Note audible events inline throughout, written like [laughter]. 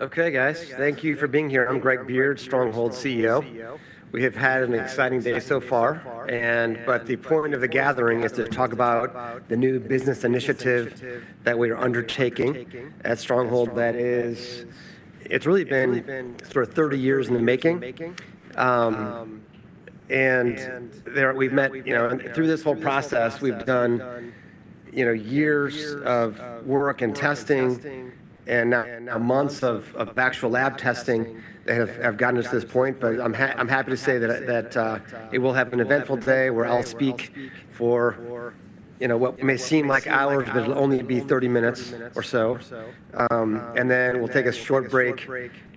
Okay, guys, thank you for being here. I'm Greg Beard, Stronghold CEO. We have had an exciting day so far, but the point of the gathering is to talk about the new business initiative that we are undertaking at Stronghold. That is, it's really been sort of 30 years in the making. We've met, you know, and through this whole process, we've done, you know, years of work and testing and now months of actual lab testing that have gotten us to this point. But I'm happy to say that it will have an eventful day, where I'll speak for, you know, what may seem like hours, but it'll only be 30 minutes or so. And then we'll take a short break,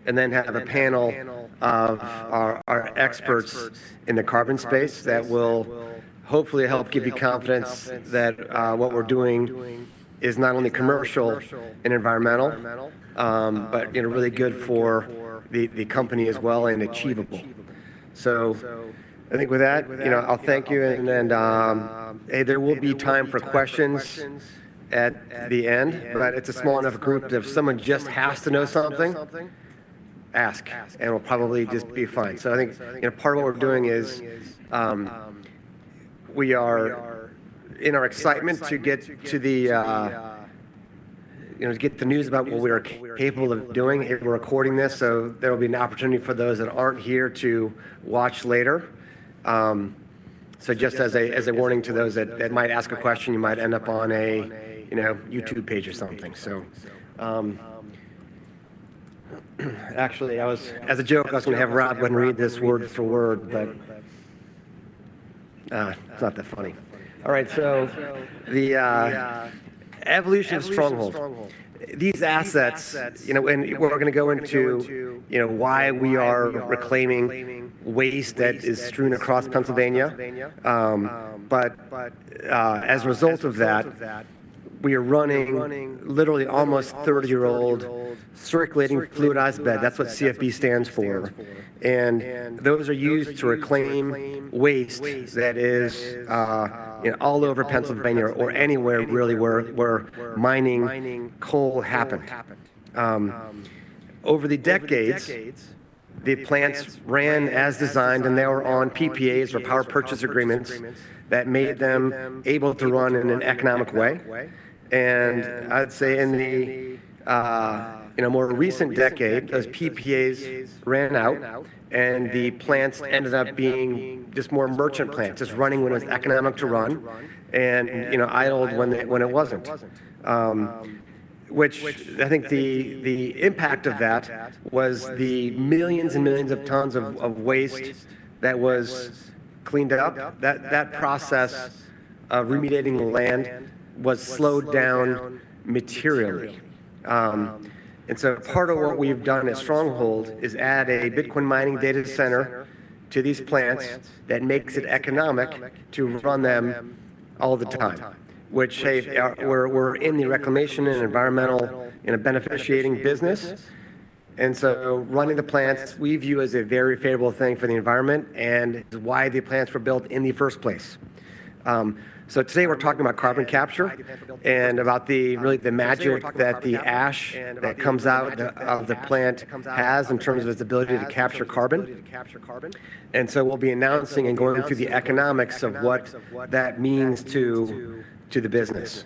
and then have a panel of our experts in the carbon space. That will hopefully help give you confidence that, what we're doing is not only commercial and environmental, but, you know, really good for the, the company as well, and achievable. So I think with that, you know, I'll thank you, and then, there will be time for questions at the end. But it's a small enough group that if someone just has to know something, ask, and we'll probably just be fine. So I think, you know, part of what we're doing is, we are in our excitement to get to the, you know, to get the news about what we are capable of doing. And we're recording this, so there will be an opportunity for those that aren't here to watch later. So just as a warning to those that might ask a question, you might end up on a, you know, YouTube page or something. So actually, as a joke, I was going to have Rob go and read this word for word, but it's not that funny. All right, so the evolution of Stronghold. These assets, you know, and we're going to go into, you know, why we are reclaiming waste that is strewn across Pennsylvania. But as a result of that, we are running literally almost 30-year-old Circulating Fluidized Bed, that's what CFB stands for. And those are used to reclaim waste that is, you know, all over Pennsylvania or anywhere really where mining coal happened. Over the decades, the plants ran as designed, and they were on PPAs, or power purchase agreements, that made them able to run in an economic way. And I'd say in the, in a more recent decade, those PPAs ran out, and the plants ended up being just more merchant plants, just running when it was economic to run and, you know, idled when they, when it wasn't. Which I think the, the impact of that was the millions and millions of tons of, of waste that was cleaned up, that, that process of remediating the land was slowed down materially. And so part of what we've done at Stronghold is add a Bitcoin mining data center to these plants, that makes it economic to run them all the time. Which, hey, we're in the reclamation and environmental beneficiating business, and so running the plants, we view as a very favorable thing for the environment and is why the plants were built in the first place. So today, we're talking about carbon capture and about really the magic that the ash that comes out of the plant has in terms of its ability to capture carbon. And so we'll be announcing and going through the economics of what that means to the business.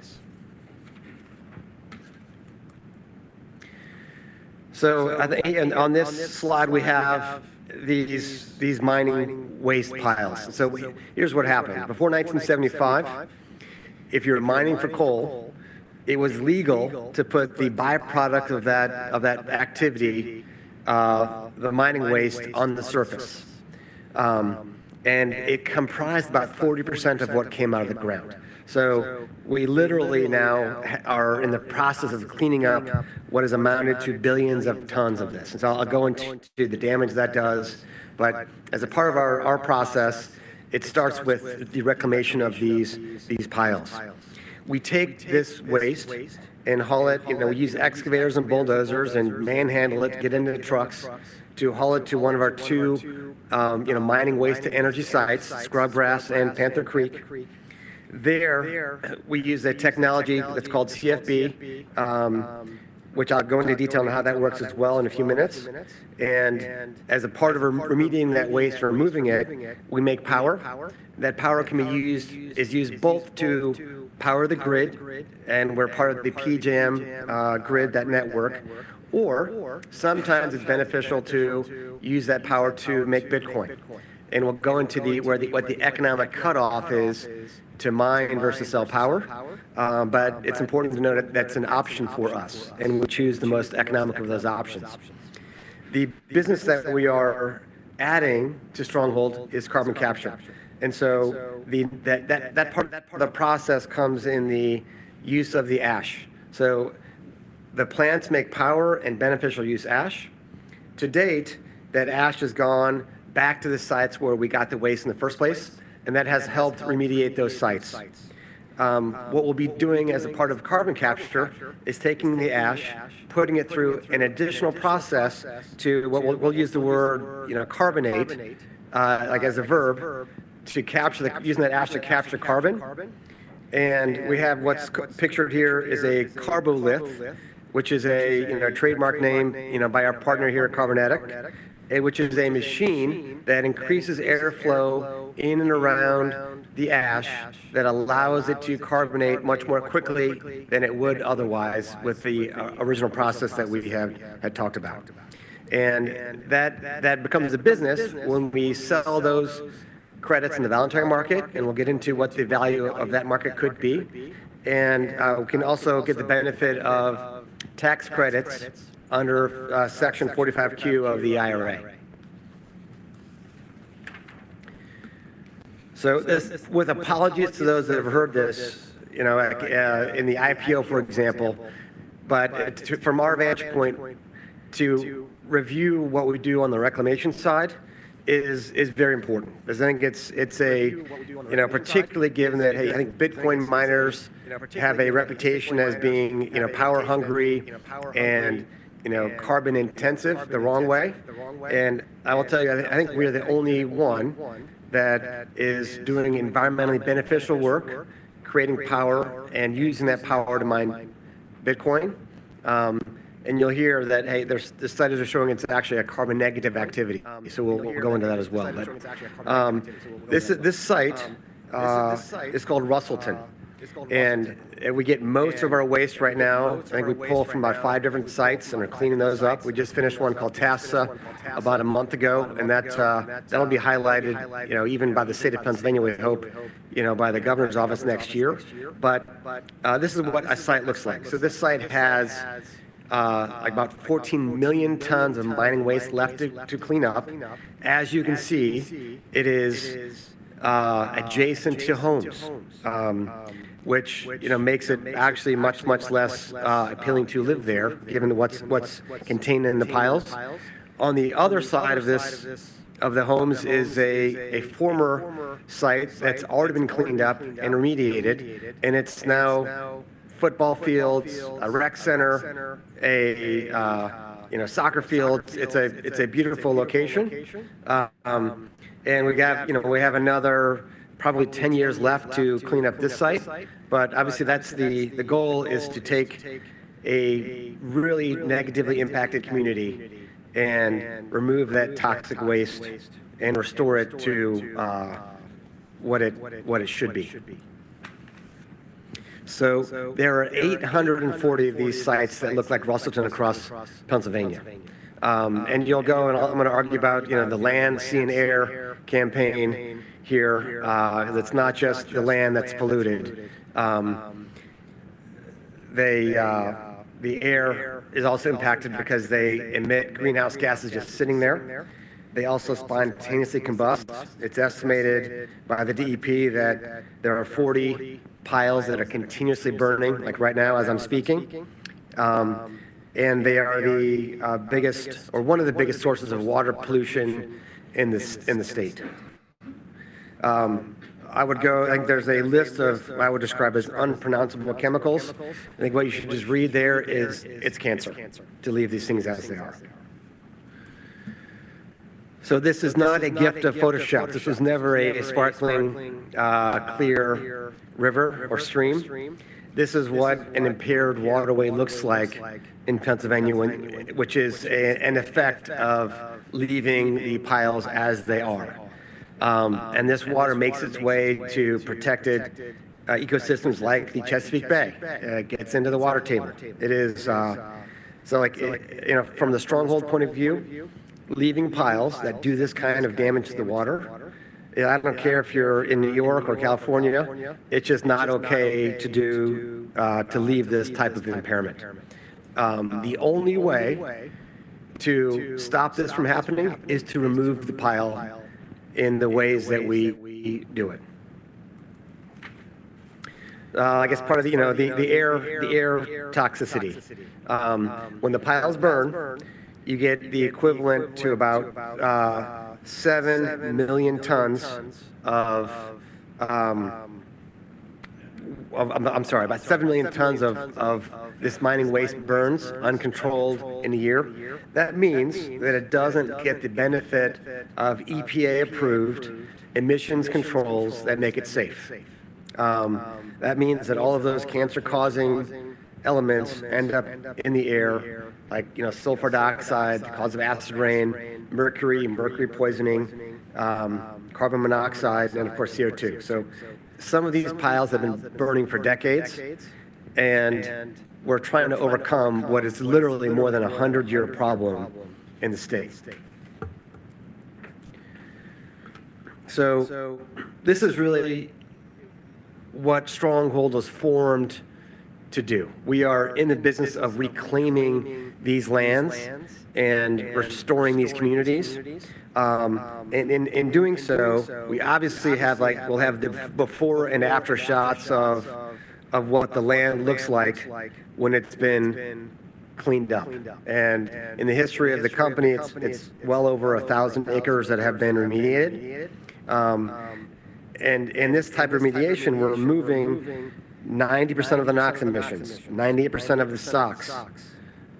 So I think, and on this slide, we have these mining waste piles. So here's what happened. Before 1975, if you're mining for coal, it was legal to put the by-product of that activity, the mining waste, on the surface. And it comprised about 40% of what came out of the ground. So we literally now are in the process of cleaning up what has amounted to billions of tons of this. And so I'll go into the damage that does, but as a part of our, our process, it starts with the reclamation of these, these piles. We take this waste and haul it, you know, use excavators and bulldozers and manhandle it, get it into trucks, to haul it to one of our two, you know, mining waste-to-energy sites, Scrubgrass and Panther Creek. There, we use a technology that's called CFB, which I'll go into detail on how that works as well in a few minutes. And as a part of remediating that waste or removing it, we make power. That power is used both to power the grid, and we're part of the PJM grid, that network, or sometimes it's beneficial to use that power to make Bitcoin. And we'll go into what the economic cut-off is to mine versus sell power. But it's important to note that that's an option for us, and we choose the most economic of those options. The business that we are adding to Stronghold is carbon capture, and so the... that part of the process comes in the use of the ash. So the plants make power and beneficial use ash. To date, that ash has gone back to the sites where we got the waste in the first place, and that has helped remediate those sites. What we'll be doing as a part of carbon capture is taking the ash, putting it through an additional process to, we'll use the word, you know, carbonate, like as a verb, to capture the... Using that ash to capture carbon. And we have what's pictured here is a Karbolith, which is a, you know, trademark name, you know, by our partner here at Karbonetiq. Which is a machine that increases airflow in and around the ash, that allows it to carbonate much more quickly than it would otherwise with the original process that we have had talked about. And that becomes a business when we sell those credits in the voluntary market, and we'll get into what the value of that market could be. We can also get the benefit of tax credits under Section 45Q of the IRA. So this, with apologies to those that have heard this, you know, yeah, in the IPO, for example, but, from our vantage point, to review what we do on the reclamation side is very important. 'Cause I think it's a, you know, particularly given that, hey, I think Bitcoin miners, you know, have a reputation as being, you know, power hungry and, you know, carbon intensive the wrong way. And I will tell you, I think we're the only one that is doing environmentally beneficial work, creating power, and using that power to mine Bitcoin. And you'll hear that, hey, there's, the studies are showing it's actually a carbon negative activity, so we'll go into that as well. This site is called Russellton. We get most of our waste right now, I think we pull from about five different sites, and we're cleaning those up. We just finished one called Tassa about a month ago, and that'll be highlighted, like, you know, even by the state of Pennsylvania, we hope, you know, by the Governor's office next year. This is what a site looks like. So this site has about 14 million tons of mining waste left to clean up. As you can see, it is adjacent to homes, which, you know, makes it actually much, much less appealing to live there, given to what's contained in the piles. On the other side of this of the homes is a former site that's already been cleaned up and remediated, and it's now football fields, a rec center, you know, soccer fields. It's a beautiful location. And we have, you know, we have another probably 10 years left to clean up this site, but obviously that's the... The goal is to take a really negatively impacted community and remove that toxic waste, and restore it to what it should be. So there are 840 of these sites that look like Russellton across Pennsylvania. And you'll go, and I'm gonna argue about, you know, the land, sea, and air campaign here. It's not just the land that's polluted. The air is also impacted because they emit greenhouse gases just sitting there. They also spontaneously combust. It's estimated by the DEP that there are 40 piles that are continuously burning, like right now as I'm speaking. And they are the biggest, or one of the biggest sources of water pollution in the state. I would go, like there's a list of, I would describe as unpronounceable chemicals. I think what you should just read there is, it's cancer, to leave these things as they are. So this is not a gift of Photoshop. This was never a sparkling clear river or stream. This is what an impaired waterway looks like in Pennsylvania when... Which is an effect of leaving the piles as they are. And this water makes its way to protected ecosystems like the Chesapeake Bay. It gets into the water table. It is... So, like, you know, from the Stronghold point of view, leaving piles that do this kind of damage to the water, I don't care if you're in New York or California, it's just not okay to do, to leave this type of impairment. The only way to stop this from happening is to remove the pile in the ways that we do it. I guess part of the, you know, the, the air, the air toxicity. When the piles burn, you get the equivalent to about 7 million tons of this mining waste burns uncontrolled in a year. That means that it doesn't get the benefit of EPA-approved emissions controls that make it safe. That means that all of those cancer-causing elements end up in the air, like, you know, sulfur dioxide, the cause of acid rain, mercury and mercury poisoning, carbon monoxide, and of course, CO2. So some of these piles have been burning for decades, and we're trying to overcome what is literally more than a hundred-year problem in the state. So this is really what Stronghold was formed to do. We are in the business of reclaiming these lands and restoring these communities. And in doing so, we obviously have like... We'll have the before and after shots of what the land looks like when it's been cleaned up. And in the history of the company, it's well over 1,000 acres that have been remediated. And in this type of remediation, we're removing 90% of the NOx emissions, 98% of the SOx,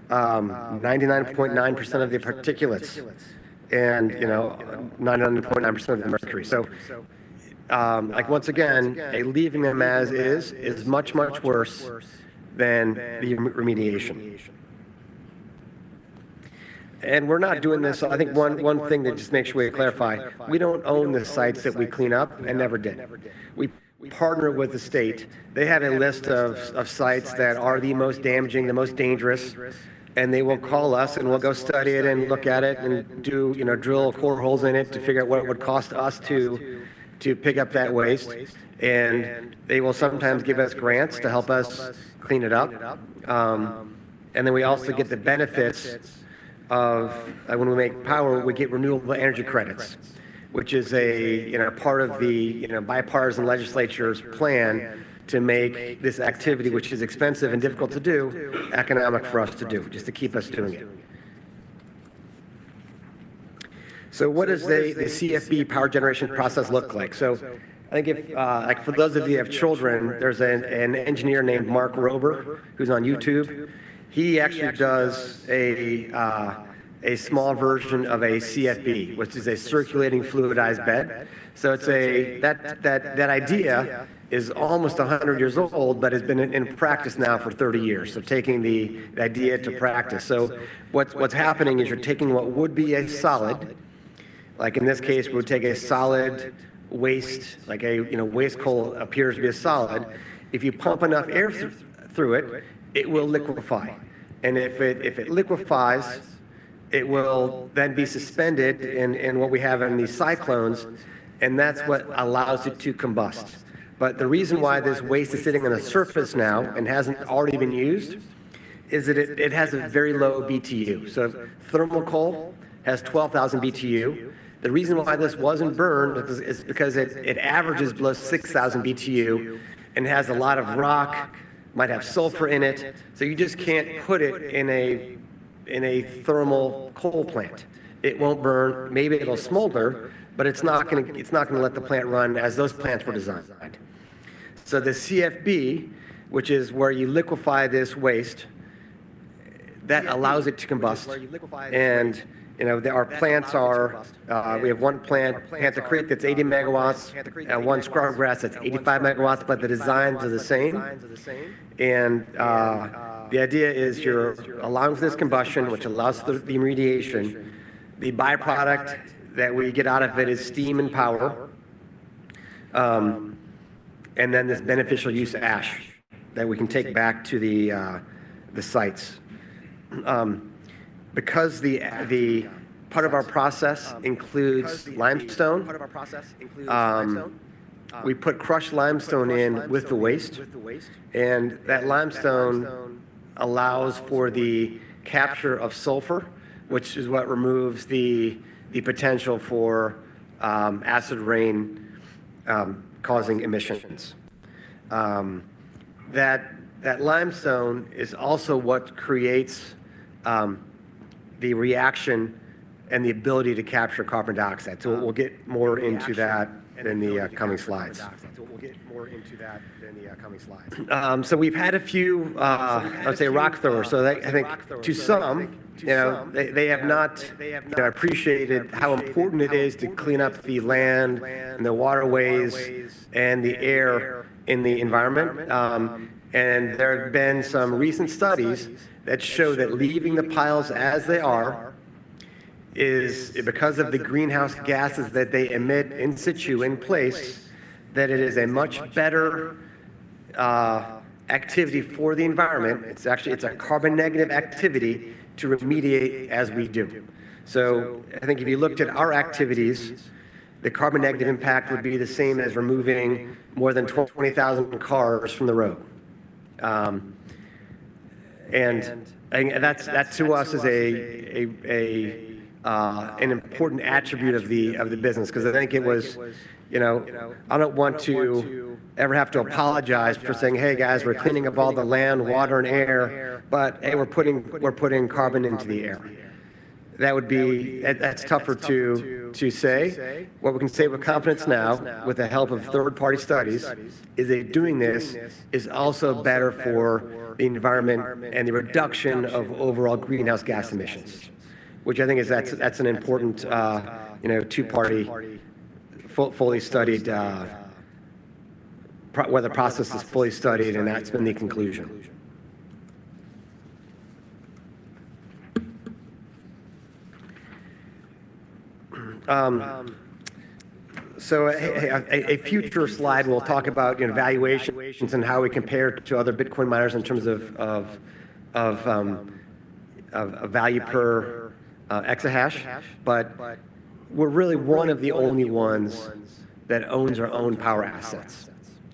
99.9% of the particulates, and you know, 99.9% of the mercury. So, like once again, leaving them as is, is much, much worse than the remediation. And we're not doing this. I think one thing that just makes sure we clarify, we don't own the sites that we clean up, and never did. We partner with the state. They have a list of sites that are the most damaging, the most dangerous, and they will call us, and we'll go study it and look at it, and do, you know, drill core holes in it to figure out what it would cost us to pick up that waste. They will sometimes give us grants to help us clean it up. And then we also get the benefits of, when we make power, we get renewable energy credits, which is a you know part of the you know bipartisan legislature's plan to make this activity, which is expensive and difficult to do, economic for us to do, just to keep us doing it. So what does the CFB power generation process look like? So I think if like for those of you who have children, there's an engineer named Mark Rober, who's on YouTube. He actually does a small version of a CFB, which is a Circulating Fluidized Bed. So it's a... That idea is almost 100 years old, but has been in practice now for 30 years, so taking the idea to practice. So what's happening is you're taking what would be a solid, like in this case, we would take a solid waste, like a, you know, waste coal appears to be a solid. If you pump enough air through it, it will liquefy. And if it liquefies, it will then be suspended in what we have in these cyclones, and that's what allows it to combust. But the reason why this waste is sitting on a surface now and hasn't already been used is that it has a very low BTU. So thermal coal has 12,000 BTU. The reason why this wasn't burned is because it averages below 6,000 BTU, and it has a lot of rock, might have sulfur in it. So you just can't put it in a thermal coal plant. It won't burn. Maybe it'll smolder, but it's not gonna, it's not gonna let the plant run as those plants were designed. So the CFB, which is where you liquefy this waste, that allows it to combust. And, you know, our plants are, we have one plant, Panther Creek, that's 80 MW, and one Scrubgrass that's 85 MW, but the designs are the same. And, the idea is you're allowing for this combustion, which allows the remediation. The byproduct that we get out of it is steam and power, and then this beneficial use ash that we can take back to the sites. Because the part of our process includes limestone, we put crushed limestone in with the waste, and that limestone allows for the capture of sulfur, which is what removes the potential for acid rain causing emissions. That limestone is also what creates the reaction and the ability to capture carbon dioxide. So we'll get more into that in the coming slides. So we've had a few, let's say, rock throwers. I think to some, you know, they have not appreciated how important it is to clean up the land, and the waterways, and the air in the environment. And there have been some recent studies that show that leaving the piles as they are, is because of the greenhouse gases that they emit in situ, in place, that it is a much better, activity for the environment. It's actually. It's a carbon negative activity to remediate as we do. So I think if you looked at our activities, the carbon negative impact would be the same as removing more than 12,000-20,000 cars from the road. And that's, that to us is a, an important attribute of the business, 'cause I think it was... You know, I don't want to ever have to apologize for saying, "Hey, guys, we're cleaning up all the land, water, and air, but, hey, we're putting, we're putting carbon into the air." That would be. That, that's tougher to say. What we can say with confidence now, with the help of third-party studies, is that doing this is also better for the environment and the reduction of overall greenhouse gas emissions, which I think is that's, that's an important, you know, two-party, fully studied, where the process is fully studied, and that's been the conclusion. So a future slide, we'll talk about, you know, valuations and how we compare to other Bitcoin miners in terms of value per exahash. But we're really one of the only ones that owns our own power assets.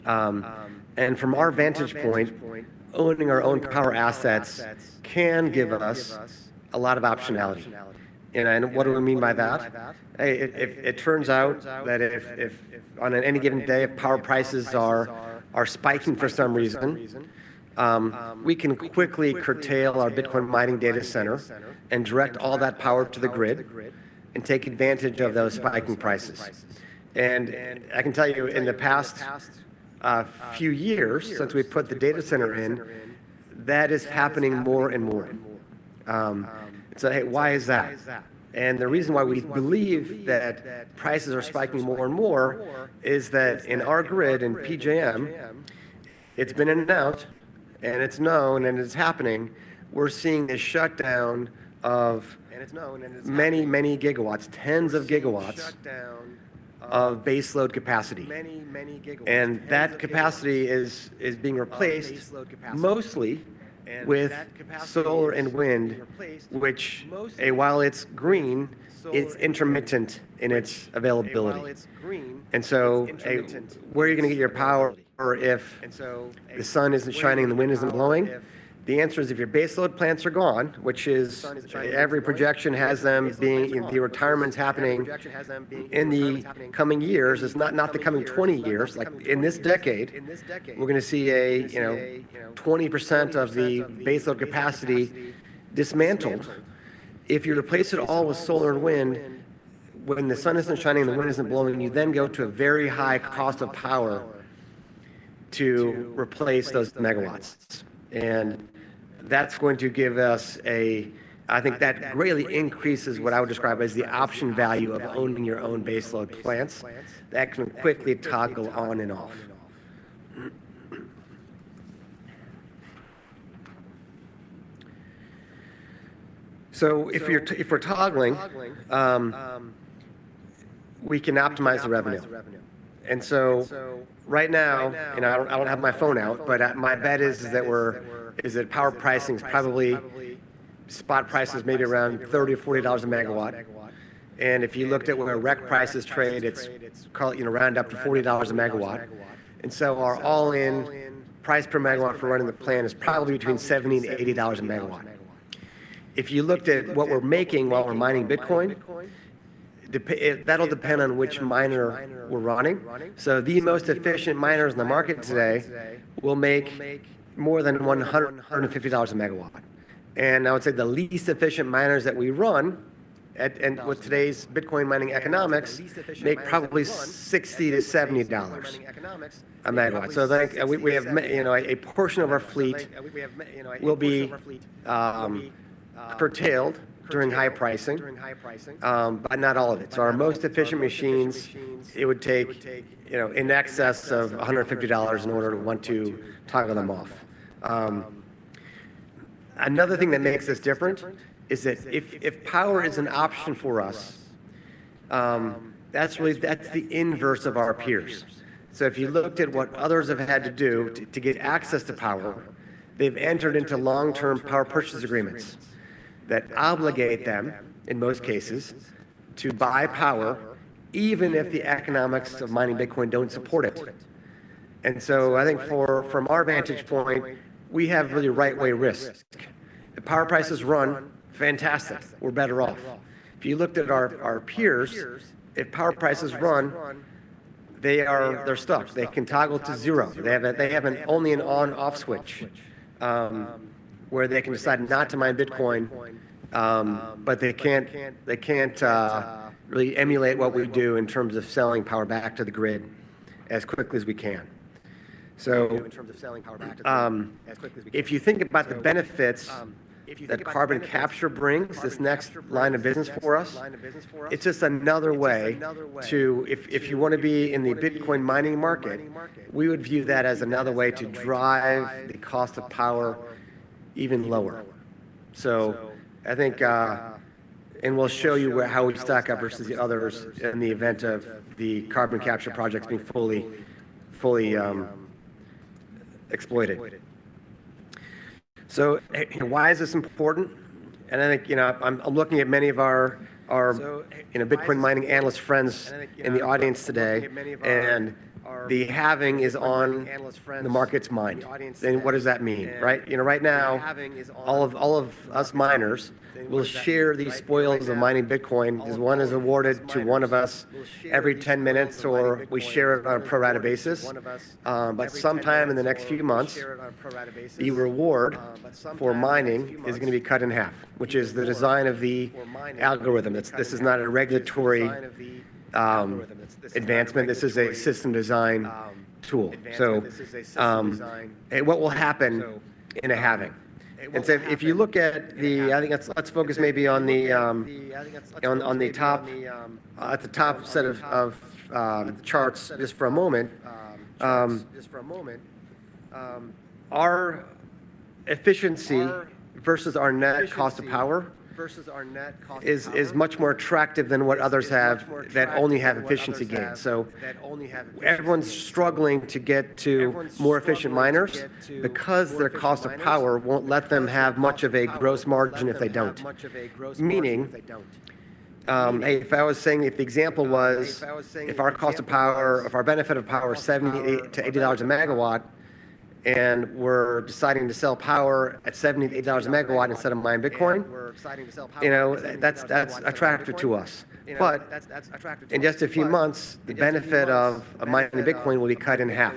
And from our vantage point, owning our own power assets can give us a lot of optionality. And what do I mean by that? It turns out that if on any given day, if power prices are spiking for some reason, we can quickly curtail our Bitcoin mining data center and direct all that power to the grid and take advantage of those spiking prices. And I can tell you, in the past few years since we've put the data center in, that is happening more and more. So hey, why is that? And the reason why we believe that prices are spiking more and more is that in our grid, in PJM, it's been announced, and it's known, and it's happening. We're seeing a shutdown of many, many gigawatts, tens of gigawatts, a shutdown of base load capacity. That capacity is being replaced mostly with solar and wind, which, while it's green, it's intermittent in its availability. And so, where are you gonna get your power or if the sun isn't shining and the wind isn't blowing? The answer is, if your base load plants are gone, which is every projection has them being... the retirement's happening in the coming years, it's not the coming 20 years, like in this decade, we're gonna see, you know, 20% of the base load capacity dismantled. If you replace it all with solar and wind, when the sun isn't shining and the wind isn't blowing, you then go to a very high cost of power to replace those megawatts. And that's going to give us I think that greatly increases what I would describe as the option value of owning your own base load plants, that can quickly toggle on and off. So if we're toggling, we can optimize the revenue. And so, right now, and I don't, I don't have my phone out, but, my bet is that power pricing is probably spot price is maybe around $30-$40 a megawatt. And if you looked at where our REC prices trade, it's, you know, round up to $40 a megawatt. And so our all-in price per megawatt for running the plant is probably between $70 and $80 a megawatt. If you looked at what we're making while we're mining Bitcoin, that'll depend on which miner we're running. So the most efficient miners in the market today will make more than $150 a megawatt. And I would say the least efficient miners that we run at, and with today's Bitcoin mining economics, make probably $60-$70 a megawatt. So like, we have you know, a portion of our fleet, we have you know, will be curtailed during high pricing, but not all of it. So our most efficient machines, it would take, you know, in excess of $150 in order to want to toggle them off. Another thing that makes us different is that if power is an option for us, that's really- that's the inverse of our peers. So if you looked at what others have had to do to get access to power, they've entered into long-term power purchase agreements that obligate them, in most cases, to buy power, even if the economics of mining Bitcoin don't support it. So I think from our vantage point, we have really right-way risk. If power prices run, fantastic, we're better off. If you looked at our peers, if power prices run, they're stuck. They can toggle to zero. They have only an on/off switch where they can decide not to mine Bitcoin, but they can't really emulate what we do in terms of selling power back to the grid as quickly as we can. So, if you think about the benefits that carbon capture brings, this next line of business for us, it's just another way to. If you want to be in the Bitcoin mining market, we would view that as another way to drive the cost of power even lower. So I think. And we'll show you where, how we stack up versus the others in the event of the carbon capture projects being fully exploited. So, why is this important? And I think, you know, I'm looking at many of our you know, Bitcoin mining analyst friends in the audience today, and the Halving is on the market's mind. And what does that mean, right? You know, right now, all of us miners will share the spoils of mining Bitcoin, because one is awarded to one of us every 10 minutes, or we share it on a pro rata basis. But sometime in the next few months, the reward for mining is gonna be cut in half, which is the design of the algorithm. It's. This is not a regulatory advancement, this is a system design tool. So, what will happen in a Halving? And so if you look at the top set of charts, I think let's focus maybe on the top set of charts just for a moment. Our efficiency versus our net cost of power is much more attractive than what others have, that only have efficiency gains. So everyone's struggling to get to more efficient miners, because their cost of power won't let them have much of a gross margin if they don't. Meaning, if I was saying if the example was, if our cost of power, if our benefit of power is $70-$80 a megawatt, and we're deciding to sell power at $70-$80 a megawatt instead of mining Bitcoin, you know, that's, that's attractive to us. But in just a few months, the benefit of mining Bitcoin will be cut in half.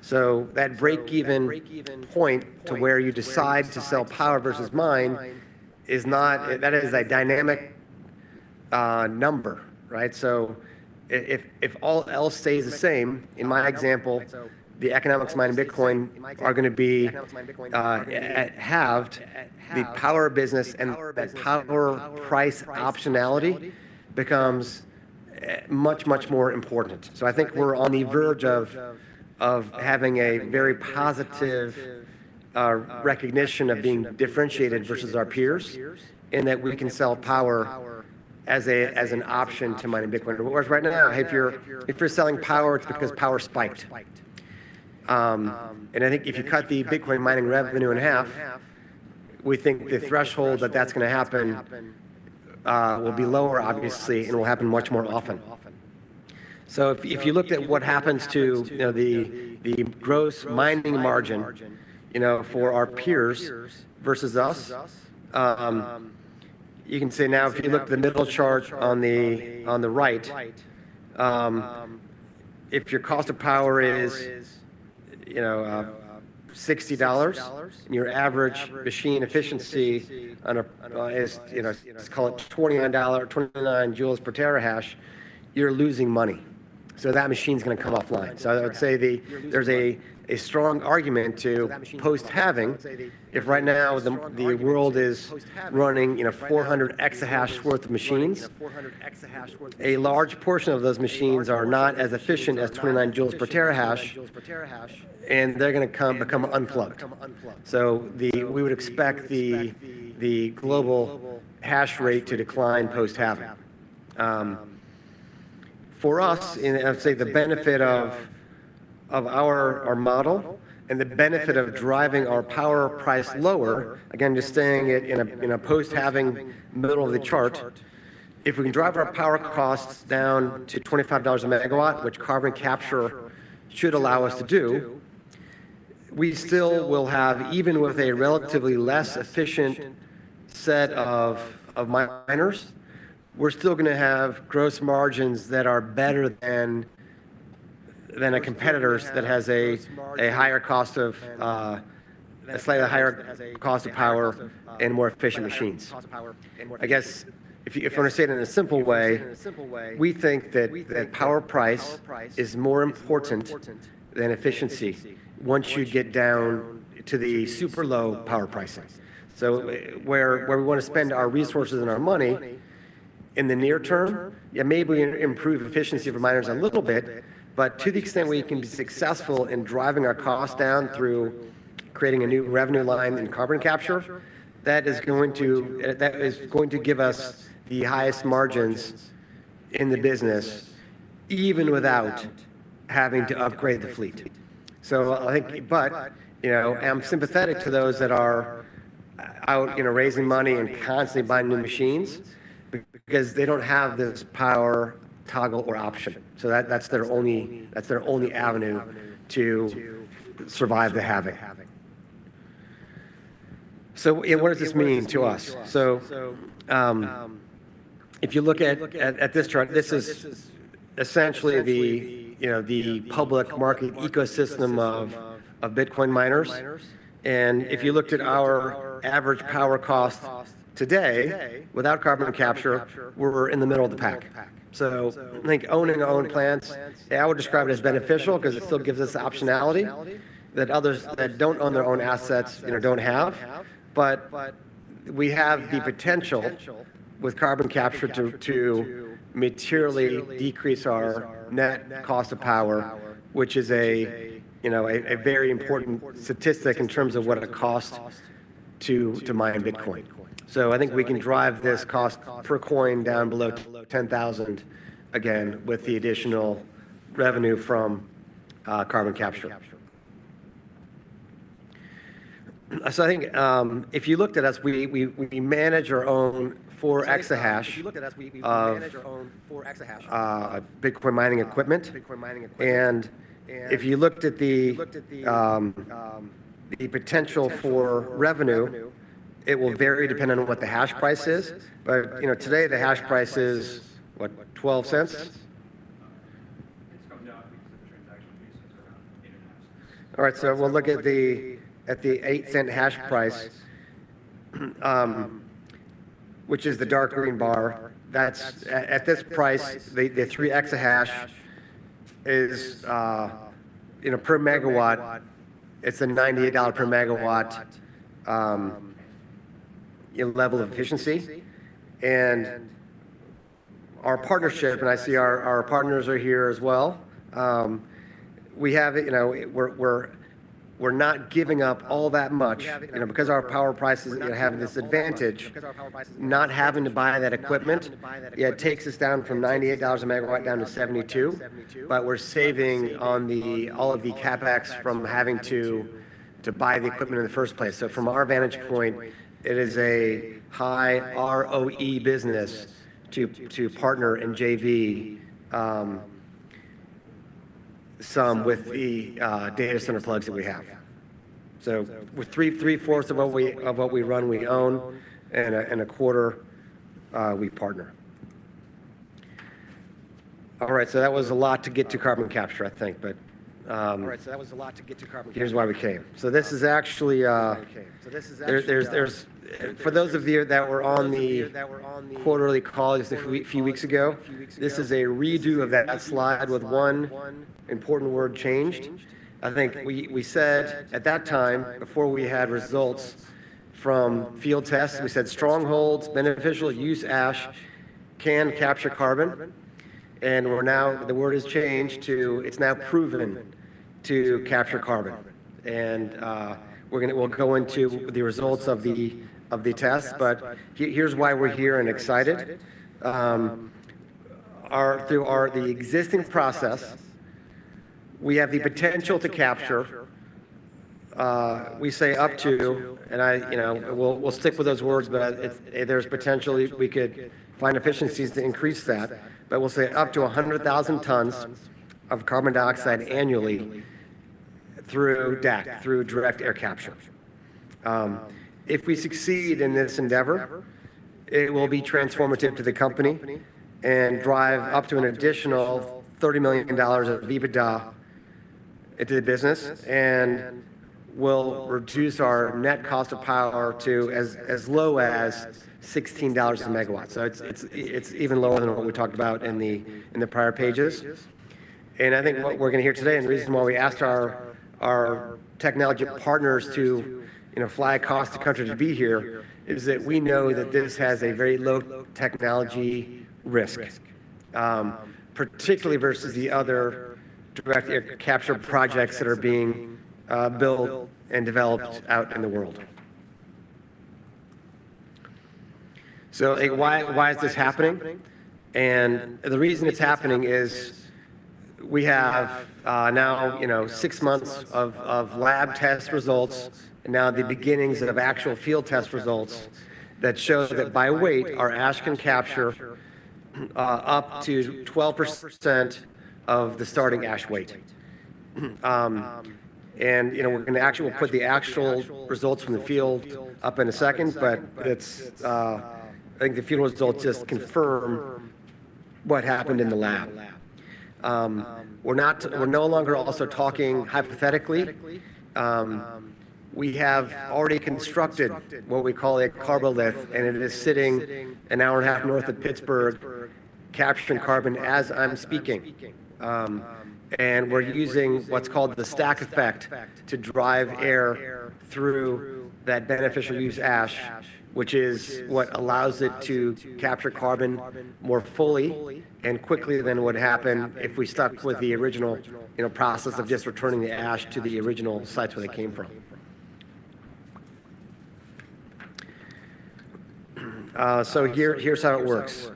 So that break-even point to where you decide to sell power versus mine is not. That is a dynamic number, right? So if, if all else stays the same, in my example, the economics mining Bitcoin are gonna be halved. The power business and that power price optionality becomes much, much more important. So I think we're on the verge of having a very positive recognition of being differentiated versus our peers, in that we can sell power as an option to mining Bitcoin. Whereas right now, if you're selling power, it's because power spiked. And I think if you cut the Bitcoin mining revenue in half, we think the threshold that's gonna happen will be lower, obviously, and will happen much more often. So if you looked at what happens to, you know, the gross mining margin, you know, for our peers versus us, you can see now, if you look at the middle chart on the right, if your cost of power is, you know, $60, and your average machine efficiency is, you know, let's call it 29 joules per terahash, you're losing money. So that machine's gonna come offline. So I would say there's a strong argument to post-halving. If right now the world is running, you know, 400 exahash worth of machines, a large portion of those machines are not as efficient as 29 joules per terahash, and they're gonna become unplugged. So we would expect the global hash rate to decline post-halving. For us, and I'd say the benefit of, of our, our model and the benefit of driving our power price lower, again, just saying it in a, in a post-halving middle of the chart, if we can drive our power costs down to $25 a megawatt, which carbon capture should allow us to do, we still will have, even with a relatively less efficient set of, of miners, we're still gonna have gross margins that are better than, than a competitor's that has a, a higher cost of, a slightly higher cost of power and more efficient machines. I guess, if you, if I were to say it in a simple way, we think that, that power price is more important than efficiency once you get down to the super low power pricing. So where we want to spend our resources and our money in the near term, yeah, maybe we improve efficiency of our miners a little bit, but to the extent where we can be successful in driving our costs down through creating a new revenue line in carbon capture, that is going to, that is going to give us the highest margins in the business, even without having to upgrade the fleet. So I think. But, you know, I'm sympathetic to those that are out, you know, raising money and constantly buying new machines, because they don't have this power toggle or option. So that's their only, that's their only avenue to survive the halving. So, what does this mean to us? So, if you look at this chart, this is essentially the, you know, the public market ecosystem of Bitcoin miners. And if you looked at our average power cost today, without carbon capture, we're in the middle of the pack. So I think owning our own plants, I would describe it as beneficial 'cause it still gives us the optionality that others that don't own their own assets, you know, don't have. But we have the potential with carbon capture to materially decrease our net cost of power, which is a, you know, a very important statistic in terms of what it costs to mine Bitcoin. So I think we can drive this cost per coin down below $10,000, again, with the additional revenue from carbon capture. So I think, if you looked at us, we manage or own four Exahash Bitcoin mining equipment. And if you looked at the potential for revenue, it will vary depending on what the hash price is. But, you know, today, the hash price is, what? $0.12 All right, so we'll look at the $0.08 hash price, which is the dark green bar. That's at this price, the 3 exahash is, you know, per megawatt, it's a $98 per megawatt level of efficiency. And our partnership, and I see our partners are here as well, we have, you know, we're not giving up all that much, you know, because our power price is gonna have this advantage, not having to buy that equipment. Yeah, it takes us down from $98 a megawatt down to $72, but we're saving on the all of the CapEx from having to buy the equipment in the first place. So from our vantage point, it is a high ROE business to partner in JV, somewhat with the data center plugs that we have. So with 3/4 of what we run, we own, and 1/4 we partner.... All right, so that was a lot to get to carbon capture, I think, but- Here's why we came. So this is actually, For those of you that were on the- Quarterly calls a few weeks ago, this is a redo of that slide with one important word changed. I think we said at that time, before we had results from field tests, we said, "Stronghold's Beneficial Use Ash can capture carbon." And we're now. The word has changed to it's now proven to capture carbon. And we're gonna. We'll go into the results of the test, but here's why we're here and excited. Our. Through our existing process, we have the potential to capture. We say up to, and you know, we'll stick with those words, but if there's potentially we could find efficiencies to increase that. But we'll say up to 100,000 tons of carbon dioxide annually through DAC, through Direct Air Capture. If we succeed in this endeavor, it will be transformative to the company and drive up to an additional $30 million of EBITDA into the business, and will reduce our net cost of power to as low as $16 a megawatt. So it's even lower than what we talked about in the prior pages. And I think what we're gonna hear today, and the reason why we asked our technology partners to fly across the country to be here, is that we know that this has a very low technology risk, particularly versus the other direct air capture projects that are being built and developed out in the world. So, like why is this happening? The reason it's happening is we have now, you know, six months of lab test results, and now the beginnings of actual field test results that show that by weight, our ash can capture up to 12% of the starting ash weight. And, you know, we're gonna actually put the actual results from the field up in a second, but it's. I think the field results just confirm what happened in the lab. We're not. We're no longer also talking hypothetically. We have already constructed what we call a Karbolith, and it is sitting an hour and a half north of Pittsburgh, capturing carbon as I'm speaking. And we're using what's called the stack effect to drive air through that beneficial use ash, which is what allows it to capture carbon more fully and quickly than would happen if we stuck with the original, you know, process of just returning the ash to the original sites where they came from. So here, here's how it works.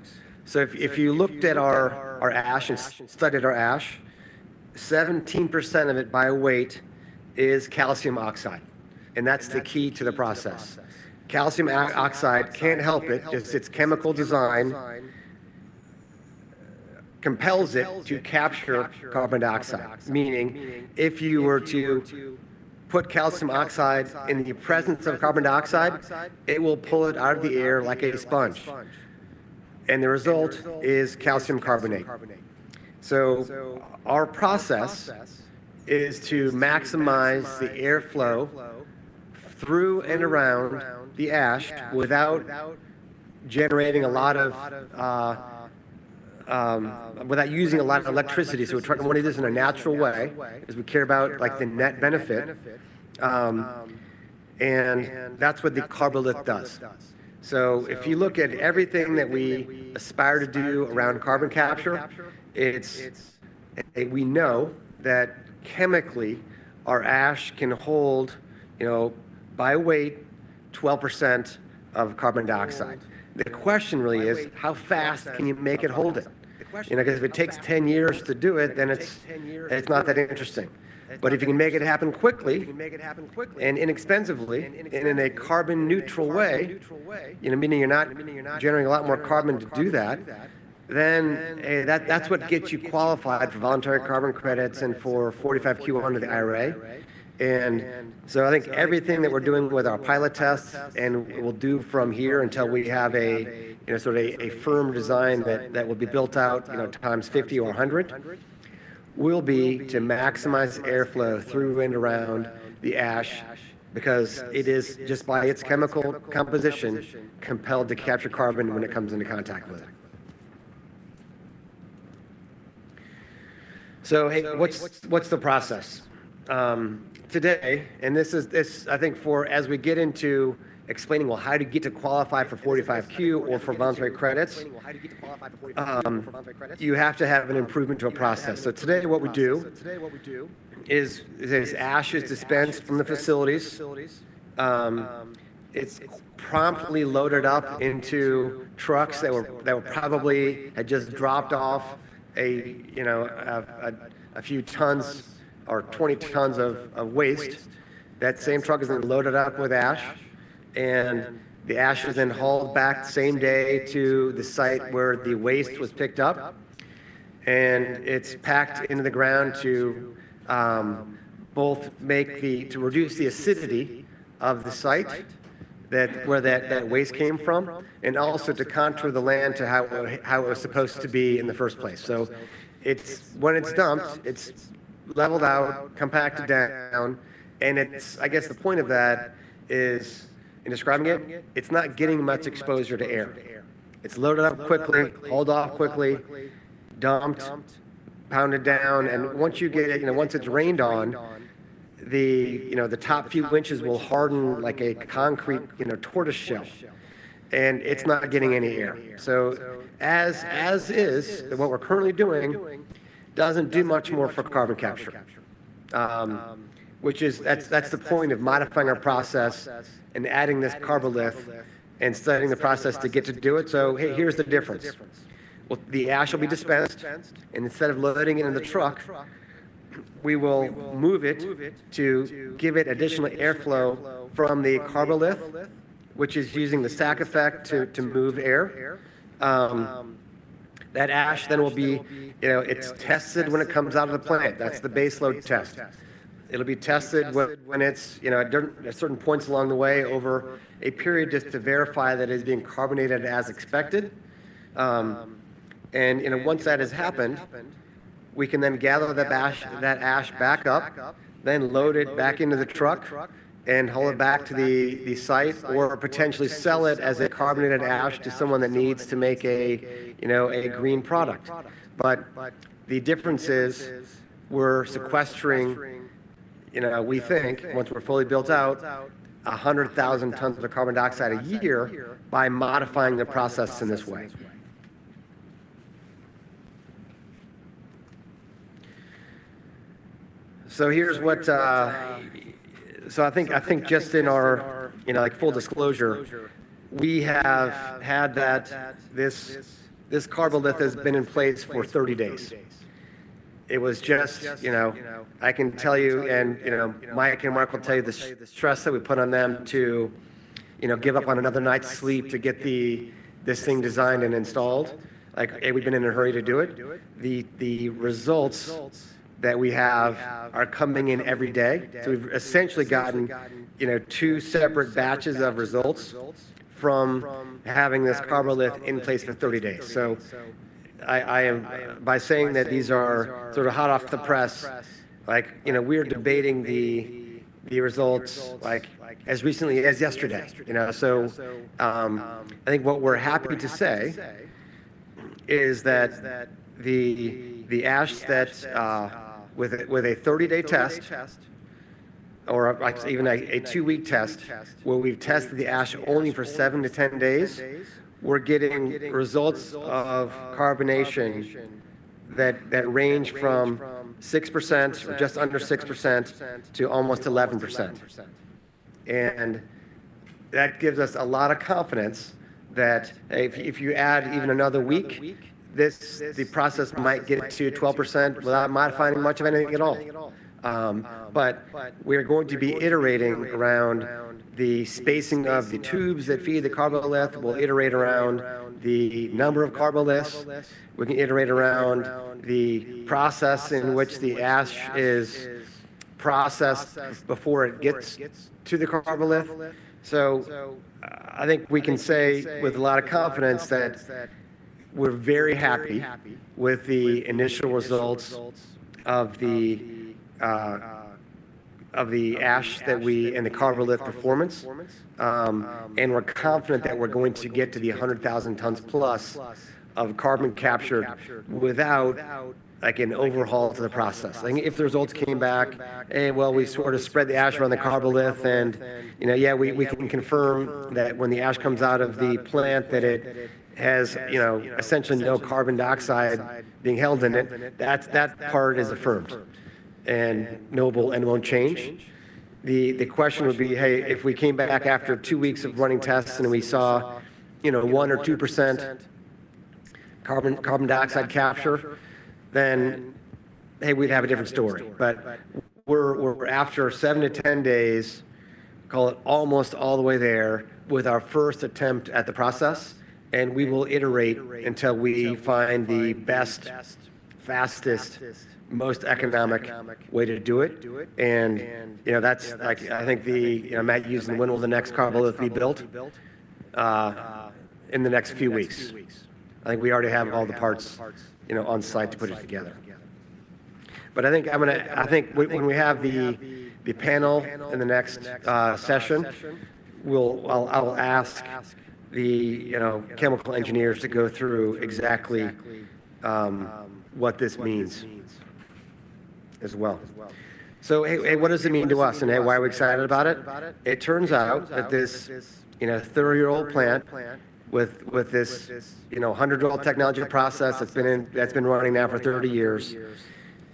So if you looked at our ash and studied our ash, 17% of it by weight is calcium oxide, and that's the key to the process. Calcium oxide can't help it, its chemical design compels it to capture carbon dioxide, meaning if you were to put calcium oxide in the presence of carbon dioxide, it will pull it out of the air like a sponge, and the result is calcium carbonate. So our process is to maximize the airflow through and around the ash without generating a lot of... Without using a lot of electricity, so we're trying to do this in a natural way, as we care about, like, the net benefit, and that's what the Karbolith does. So if you look at everything that we aspire to do around carbon capture, it's... We know that chemically, our ash can hold, you know, by weight, 12% of carbon dioxide. The question really is: How fast can you make it hold it? You know, 'cause if it takes 10 years to do it, then it's not that interesting. But if you can make it happen quickly and inexpensively and in a carbon neutral way, you know, meaning you're not generating a lot more carbon to do that, then, that, that's what gets you qualified for voluntary carbon credits and for 45Q under the IRA. And so I think everything that we're doing with our pilot tests and we'll do from here until we have a, you know, sort of a firm design that will be built out, you know, x50 or 100, will be to maximize airflow through and around the ash, because it is, just by its chemical composition, compelled to capture carbon when it comes into contact with it. So, hey, what's the process? Today, and this is, I think for... As we get into explaining, well, how to get to qualify for 45Q or for voluntary credits, you have to have an improvement to a process. So today what we do is, as ash is dispensed from the facilities, it's promptly loaded up into trucks that probably had just dropped off a, you know, a few tons or 20 tons of waste. That same truck is then loaded up with ash, and the ash is then hauled back same day to the site where the waste was picked up, and it's packed into the ground to both reduce the acidity of the site where that waste came from, and also to contour the land to how it was supposed to be in the first place. So it's when it's dumped, it's leveled out, compacted down, and it's. I guess the point of that is, in describing it, it's not getting much exposure to air. It's loaded up quickly, hauled off quickly, dumped, pounded down, and once you get it, you know, once it's rained on, you know, the top few inches will harden like a concrete tortoise shell, and it's not getting any air. So as is, and what we're currently doing, doesn't do much more for carbon capture. Which is, that's the point of modifying our process and adding this Karbolith and studying the process to get to do it. So here's the difference. Well, the ash will be dispensed, and instead of loading it in the truck, we will move it to give it additional airflow from the Karbolith, which is using the Stack Effect to move air. That ash then will be... You know, it's tested when it comes out of the plant. That's the base load test. It'll be tested when it's, you know, at certain points along the way, over a period, just to verify that it's being carbonated as expected. And, you know, once that has happened, we can then gather the ash, that ash back up, then load it back into the truck and haul it back to the site, or potentially sell it as a carbonated ash to someone that needs to make a, you know, a green product. But the difference is, we're sequestering, you know, we think, once we're fully built out, 100,000 tons of carbon dioxide a year by modifying the process in this way. So here's what. So I think, I think just in our, you know, like, full disclosure, we have had that, this, this Karbolith has been in place for 30 days. It was just, you know, I can tell you, and, you know, Mike and Mark will tell you, the stress that we put on them to, you know, give up on another night's sleep to get the this thing designed and installed, like, A, we've been in a hurry to do it. The, the results that we have are coming in every day. So we've essentially gotten, you know, two separate batches of results from having this Karbolith in place for 30 days. So, by saying that these are sort of hot off the press, like, you know, we are debating the results, like, as recently as yesterday, you know? I think what we're happy to say is that the ash that with a 30-day test, or like even a two-week test, where we've tested the ash only for seven to 10 days, we're getting results of carbonation that range from 6%, just under 6%, to almost 11%. And that gives us a lot of confidence that if you add even another week, the process might get to 12% without modifying much of anything at all. But we are going to be iterating around the spacing of the tubes that feed the Karbolith. We'll iterate around the number of Karboliths. We can iterate around the process in which the ash is processed before it gets to the Karbolith. So I think we can say with a lot of confidence that we're very happy with the initial results of the ash that we, and the Karbolith performance. And we're confident that we're going to get to the 100,000 tons plus of carbon capture without, like, an overhaul to the process. Like, if the results came back, "Hey, well, we sort of spread the ash around the Karbolith, and, you know, yeah, we can confirm that when the ash comes out of the plant, that it has, you know, essentially no carbon dioxide being held in it," that's, that part is affirmed and won't change. The question would be, hey, if we came back after two weeks of running tests and we saw, you know, 1%-2% carbon, carbon dioxide capture, then, hey, we'd have a different story. But we're after seven to 10 days, call it almost all the way there, with our first attempt at the process, and we will iterate until we find the best, fastest, most economic way to do it. And, you know, that's, like, I think the... You know, Matt used, "When will the next Karbolith be built?" In the next few weeks. I think we already have all the parts, you know, on site to put it together. But I think when we have the panel in the next session, I will ask the, you know, chemical engineers to go through exactly what this means as well. So, hey, what does it mean to us, and, hey, why are we excited about it? It turns out that this, you know, 30-year-old plant with this, you know, 100-year-old technology process that's been running now for 30 years,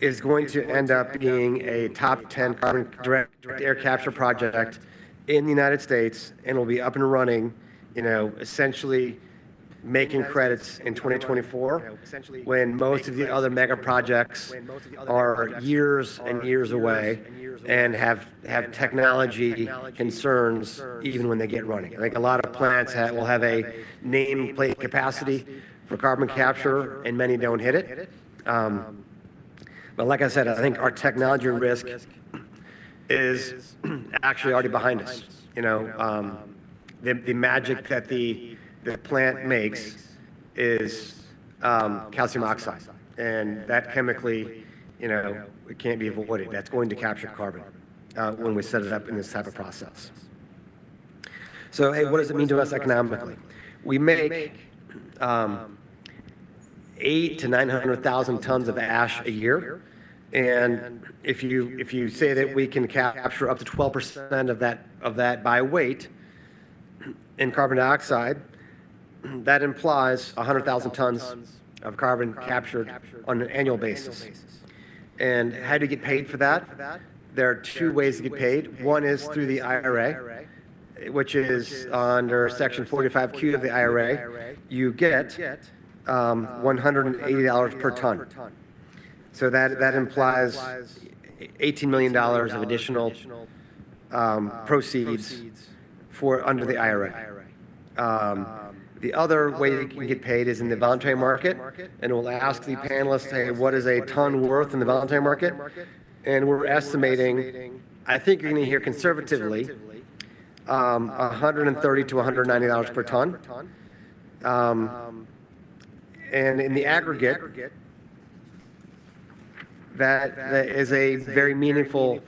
is going to end up being a top 10 carbon direct air capture project in the United States and will be up and running, you know, essentially making credits in 2024, when most of the other mega projects are years and years away and have technology concerns even when they get running. Like, a lot of plants have a nameplate capacity for carbon capture, and many don't hit it. But like I said, I think our technology risk is actually already behind us. You know, the magic that the plant makes is calcium oxide, and that chemically, you know, it can't be avoided. That's going to capture carbon when we set it up in this type of process. So hey, what does it mean to us economically? We make 800,000-900,000 tons of ash a year, and if you say that we can capture up to 12% of that by weight in carbon dioxide, that implies 100,000 tons of carbon captured on an annual basis. And how do you get paid for that? There are two ways to get paid. One is through the IRA, which is under Section 45Q of the IRA. You get $180 per ton. So that implies $18 million of additional proceeds for under the IRA. The other way that you can get paid is in the voluntary market, and we'll ask the panelists, "Hey, what is a ton worth in the voluntary market?" And we're estimating, I think you're gonna hear conservatively, $130-$190 per ton. And in the aggregate, that is a very meaningful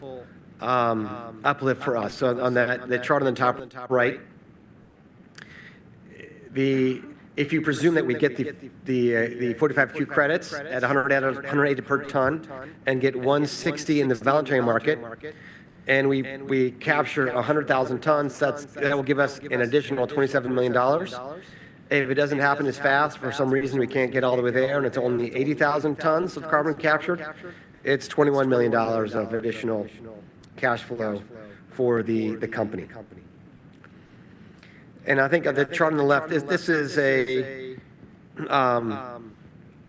uplift for us. So on the chart on the top right, the... If you presume that we get the 45Q credits at $180 per ton, and get $160 in this voluntary market, and we capture 100,000 tons, that will give us an additional $27 million. And if it doesn't happen as fast, for some reason we can't get all the way there, and it's only 80,000 tons of carbon captured, it's $21 million of additional cash flow for the company. And I think on the chart on the left, this is a-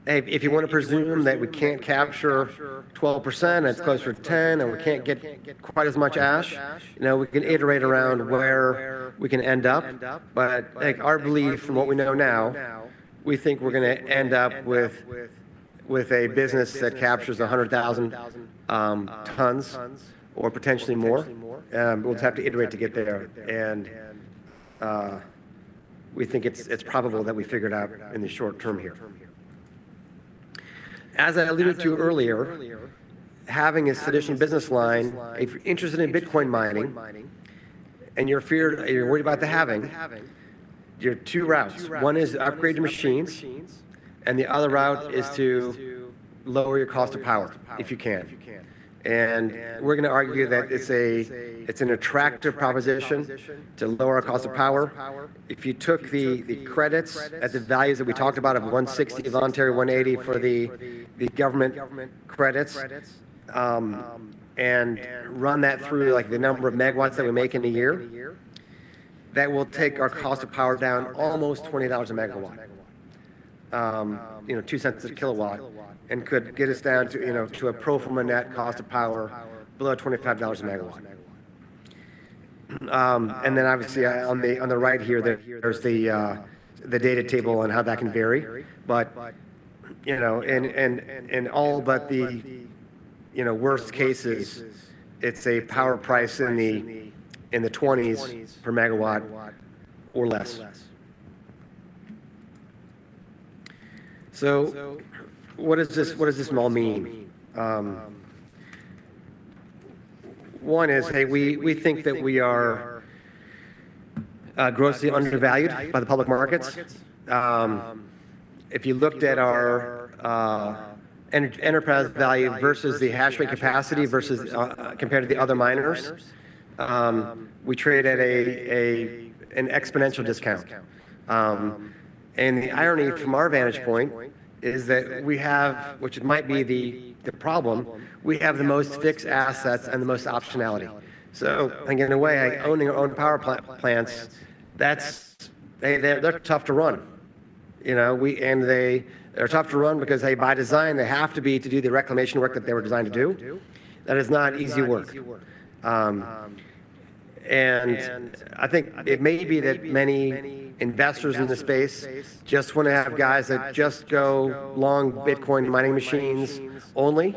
if you want to presume that we can't capture 12%, and it's closer to 10%, and we can't get quite as much ash, you know, we can iterate around where we can end up. But, like, our belief from what we know now, we think we're gonna end up with a business that captures 100,000 tons, or potentially more. We'll just have to iterate to get there. And we think it's probable that we figure it out in the short term here. As I alluded to earlier, having this additional business line, if you're interested in Bitcoin mining, and you're feared- and you're worried about the halving, you have two routes. One is to upgrade the machines, and the other route is to lower your cost of power, if you can. And we're gonna argue that it's an attractive proposition to lower our cost of power. If you took the credits at the values that we talked about of $160 voluntary, $180 for the government credits, and run that through, like, the number of megawatts that we make in a year, that will take our cost of power down almost $20 a megawatt. You know, $0.02 a kilowatt, and could get us down to, you know, to a pro forma net cost of power below $25 a megawatt. And then obviously, on the right here, there's the data table on how that can vary. But you know, all but the worst cases, it's a power price in the $20s per megawatt or less. So what does this all mean? One is, hey, we think that we are grossly undervalued by the public markets. If you looked at our enterprise value versus the hash rate capacity versus compared to the other miners, we trade at an exponential discount. And the irony from our vantage point is that we have, which might be the problem, we have the most fixed assets and the most optionality. So I think in a way, like, owning our own power plants, they're tough to run. You know, and they're tough to run because, hey, by design, they have to be to do the reclamation work that they were designed to do. That is not easy work. And I think it may be that many investors in this space just wanna have guys that just go long Bitcoin mining machines only,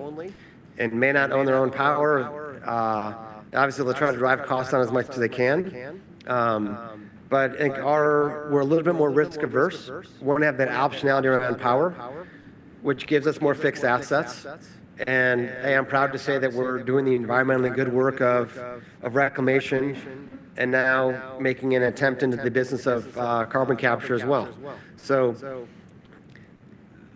and may not own their own power. Obviously, they'll try to drive costs down as much as they can. But I think we're a little bit more risk averse, we're gonna have that optionality around power, which gives us more fixed assets. And, hey, I'm proud to say that we're doing the environmentally good work of reclamation, and now making an attempt into the business of carbon capture as well. So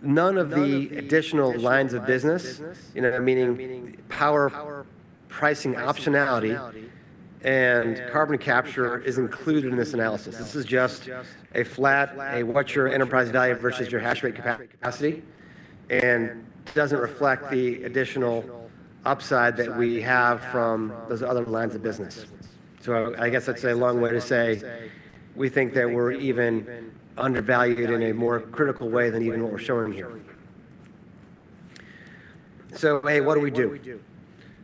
none of the additional lines of business, you know, meaning power pricing optionality and carbon capture, is included in this analysis. This is just a flat, what's your enterprise value versus your hash rate capacity, and doesn't reflect the additional upside that we have from those other lines of business. So I guess that's a long way to say, we think that we're even undervalued in a more critical way than even what we're showing here. So, hey, what do we do?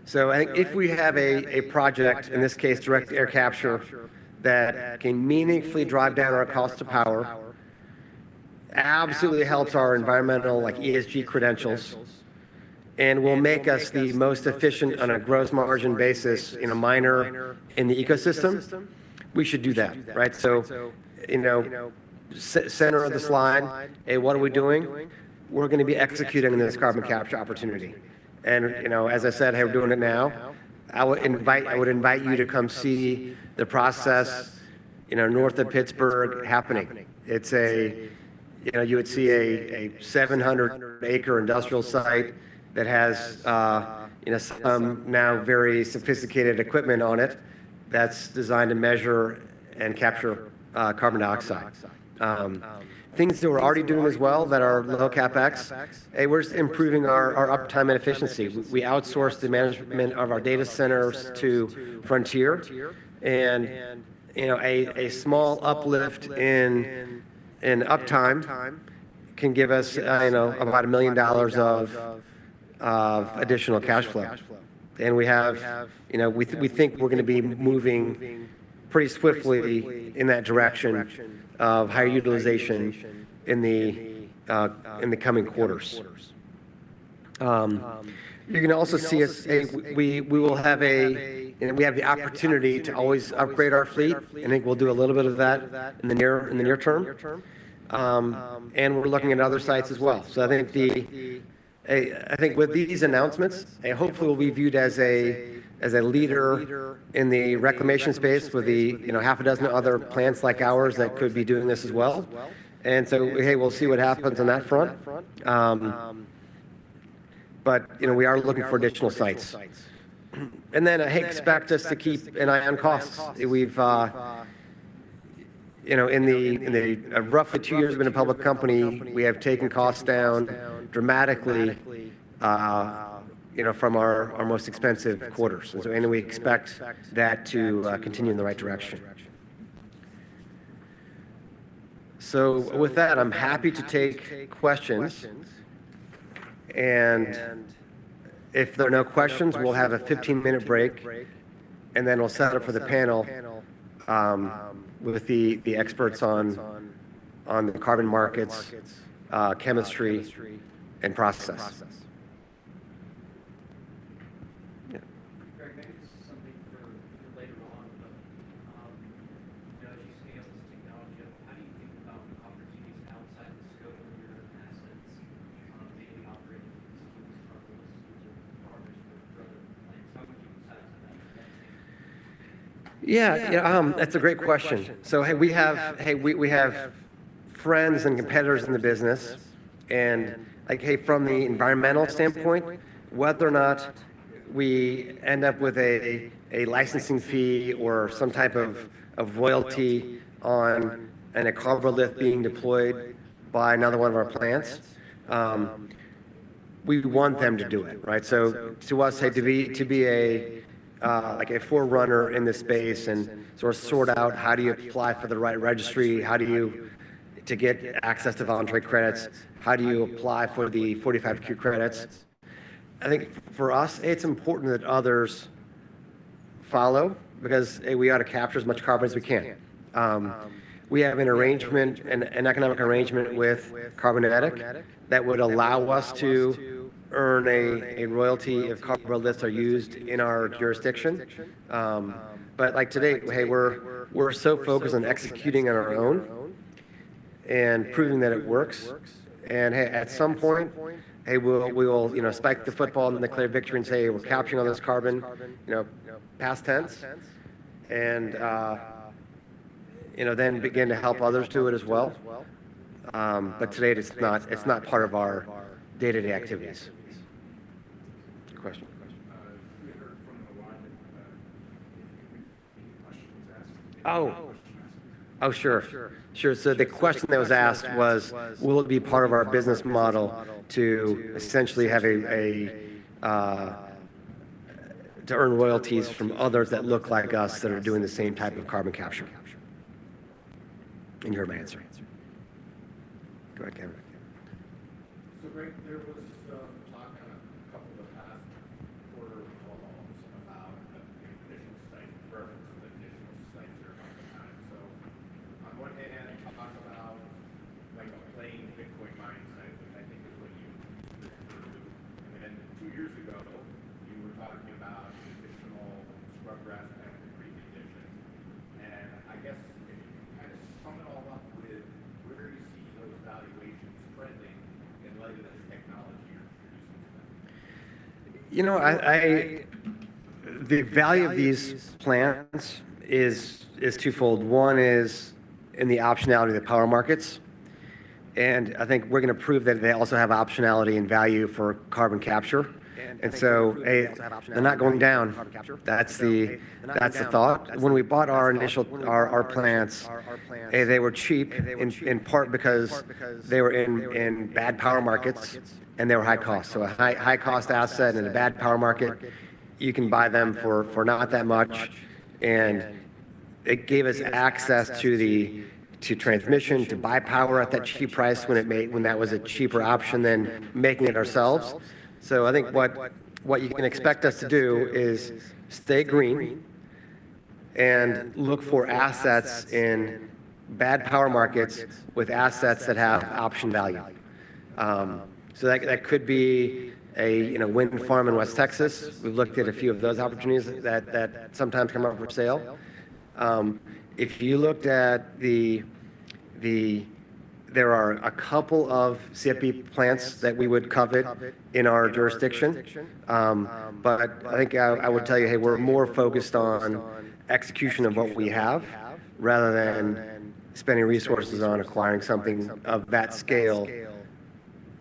So I think if we have a project, in this case, direct air capture, that can meaningfully drive down our cost of power—absolutely helps our environmental, like ESG credentials, and will make us the most efficient on a gross margin basis in a mining ecosystem, we should do that, right? So, you know, center of the slide, hey, what are we doing? We're gonna be executing on this carbon capture opportunity. You know, as I said, hey, we're doing it now. I would invite you to come see the process, you know, north of Pittsburgh happening. It's a, you know, you would see a 700-acre industrial site that has, you know, some now very sophisticated equipment on it, that's designed to measure and capture carbon dioxide. Things that we're already doing as well that are low CapEx, hey, we're improving our uptime and efficiency. We outsource the management of our data centers to Frontier and, you know, a small uplift in uptime can give us, you know, about $1 million of additional cash flow. We have, you know, we think we're gonna be moving pretty swiftly in that direction of higher utilization in the coming quarters. You can also see us. We will have and we have the opportunity to always upgrade our fleet. I think we'll do a little bit of that in the near term. And we're looking at other sites as well. So I think with these announcements, and hopefully we'll be viewed as a leader in the reclamation space with the, you know, half a dozen other plants like ours that could be doing this as well. And so, hey, we'll see what happens on that front. But, you know, we are looking for additional sites. And then, hey, expect us to keep an eye on costs. We've, you know, in the roughly two years we've been a public company, we have taken costs down dramatically, you know, from our most expensive quarters. And so, and we expect that to continue in the right direction. So with that, I'm happy to take questions. And if there are no questions, we'll have a 15-minute break, and then we'll set up for the panel with the experts on the carbon markets, chemistry and process. Yeah. Greg, maybe this is something for later on, but, you know, as you scale this technology up, how do you think about the opportunities outside the scope of your assets? Maybe operating these Karboliths or other things? How would you decide to make that change? Yeah, yeah, that's a great question. So, hey, we have friends and competitors in the business, and like, hey, from the environmental standpoint, whether or not we end up with a licensing fee or some type of royalty on a carbon lift being deployed by another one of our plants, we want them to do it, right? So to us, hey, to be a like a forerunner in this space and sort out how do you apply for the right registry? How do you get access to voluntary credits, how do you apply for the 45Q credits? I think for us, it's important that others follow because, hey, we ought to capture as much carbon as we can. We have an arrangement, an economic arrangement with Karbonetiq that would allow us to earn a royalty if Karboliths are used in our jurisdiction. But like today, hey, we're so focused on executing on our own and proving that it works. And, hey, at some point, hey, we'll, you know, spike the football and declare victory and say, "Hey, we're capturing all this carbon," you know, past tense. And, you know, then begin to help others do it as well. But today it is not, it's not part of our day-to-day activities. Good question. We heard from the line that any questions asked- Oh! You know, I... The value of these plants is twofold. One is in the optionality of the power markets, and I think we're gonna prove that they also have optionality and value for carbon capture. And so, hey, they're not going down. That's the thought. When we bought our initial plants, hey, they were cheap in part because they were in bad power markets, and they were high cost. So a high cost asset in a bad power market, you can buy them for not that much. And it gave us access to transmission, to buy power at that cheap price when that was a cheaper option than making it ourselves. So I think what you can expect us to do is stay green-... and look for assets in bad power markets with assets that have option value. So that could be a, you know, wind farm in West Texas. We've looked at a few of those opportunities that sometimes come up for sale. If you looked at the, there are a couple of CFB plants that we would covet in our jurisdiction. But I think I would tell you, hey, we're more focused on execution of what we have, rather than spending resources on acquiring something of that scale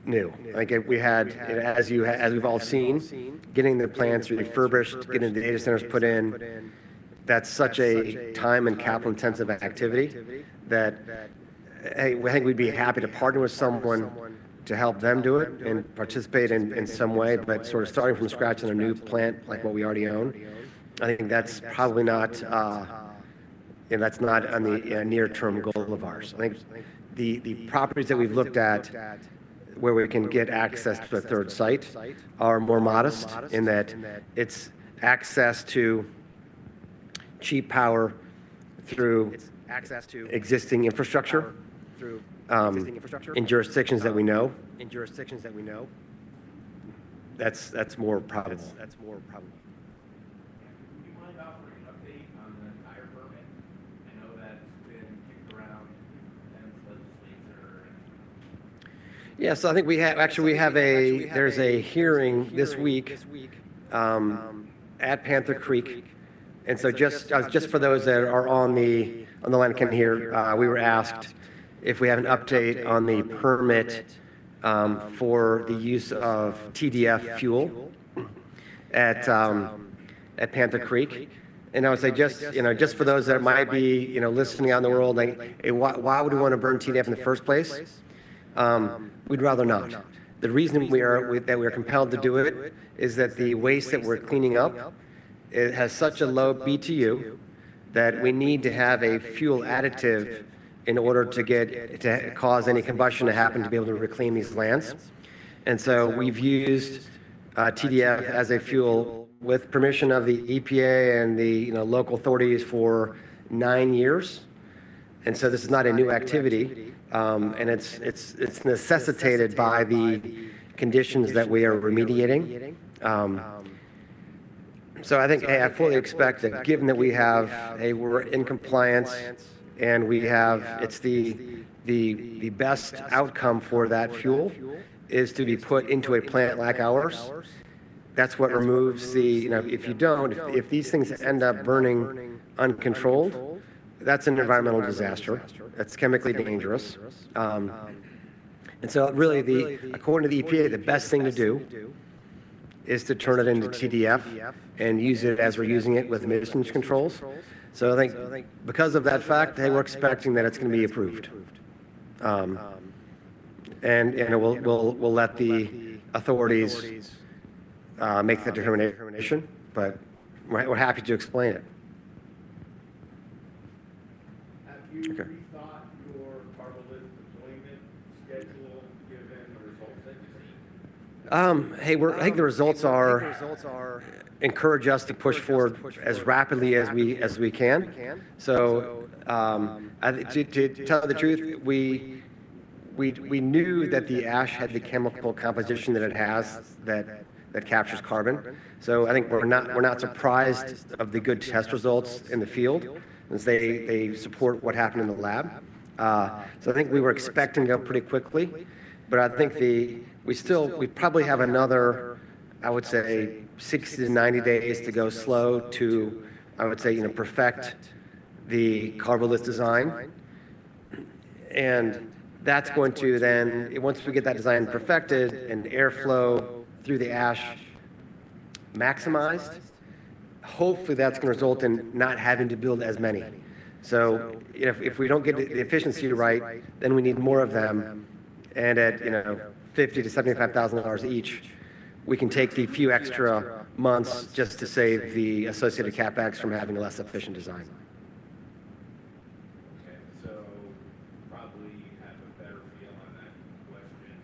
new. Like, if we had, as we've all seen, getting the plants refurbished, getting the data centers put in, that's such a time and capital-intensive activity that, hey, I think we'd be happy to partner with someone to help them do it and participate in some way. But sort of starting from scratch on a new plant, like what we already own, I think that's probably not, you know, that's not on the near-term goal of ours. I think the properties that we've looked at where we can get access to a third site are more modest in that it's access to cheap power through existing infrastructure in jurisdictions that we know. In jurisdictions that we know. That's more probable. That's more probable. Do you mind offering an update on the entire permit? I know that's been kicked around the legislature and- Yeah, so I think actually we have a hearing this week at Panther Creek. So just for those that are on the line who can hear, we were asked if we had an update on the permit for the use of TDF fuel at Panther Creek. And I would say just, you know, just for those that might be, you know, listening out in the world, like, why, why would we want to burn TDF in the first place? We'd rather not. The reason that we are compelled to do it is that the waste that we're cleaning up, it has such a low BTU that we need to have a fuel additive in order to get it to cause any combustion to happen, to be able to reclaim these lands. And so we've used TDF as a fuel with permission of the EPA and the, you know, local authorities for nine years, and so this is not a new activity. And it's necessitated by the conditions that we are remediating. So I think, hey, I fully expect that given that we have... Hey, we're in compliance, and we have—it's the best outcome for that fuel is to be put into a plant like ours. That's what removes the... You know, if you don't, if these things end up burning uncontrolled, that's an environmental disaster. That's chemically dangerous. And so really, according to the EPA, the best thing to do is to turn it into TDF and use it as we're using it with emissions controls. So I think because of that fact, hey, we're expecting that it's going to be approved. And we'll let the authorities make that determination, but we're happy to explain it. Have you- Okay... rethought your Karbolith deployment schedule, given the results that you've seen? Hey, we're—I think the results are encouraging us to push forward as rapidly as we can. So, to tell you the truth, we knew that the ash had the chemical composition that it has that captures carbon. So I think we're not surprised of the good test results in the field, as they support what happened in the lab. So I think we were expecting to go pretty quickly, but I think we still probably have another, I would say, 60-90 days to go slow to, I would say, you know, perfect the Karbolith design. That's going to then, once we get that design perfected and airflow through the ash maximized, hopefully, that's going to result in not having to build as many. So if we don't get the efficiency right, then we need more of them. And at, you know, $50,000-$75,000 each, we can take the few extra months just to save the associated CapEx from having a less efficient design. Okay, so probably you have a better feel on that question,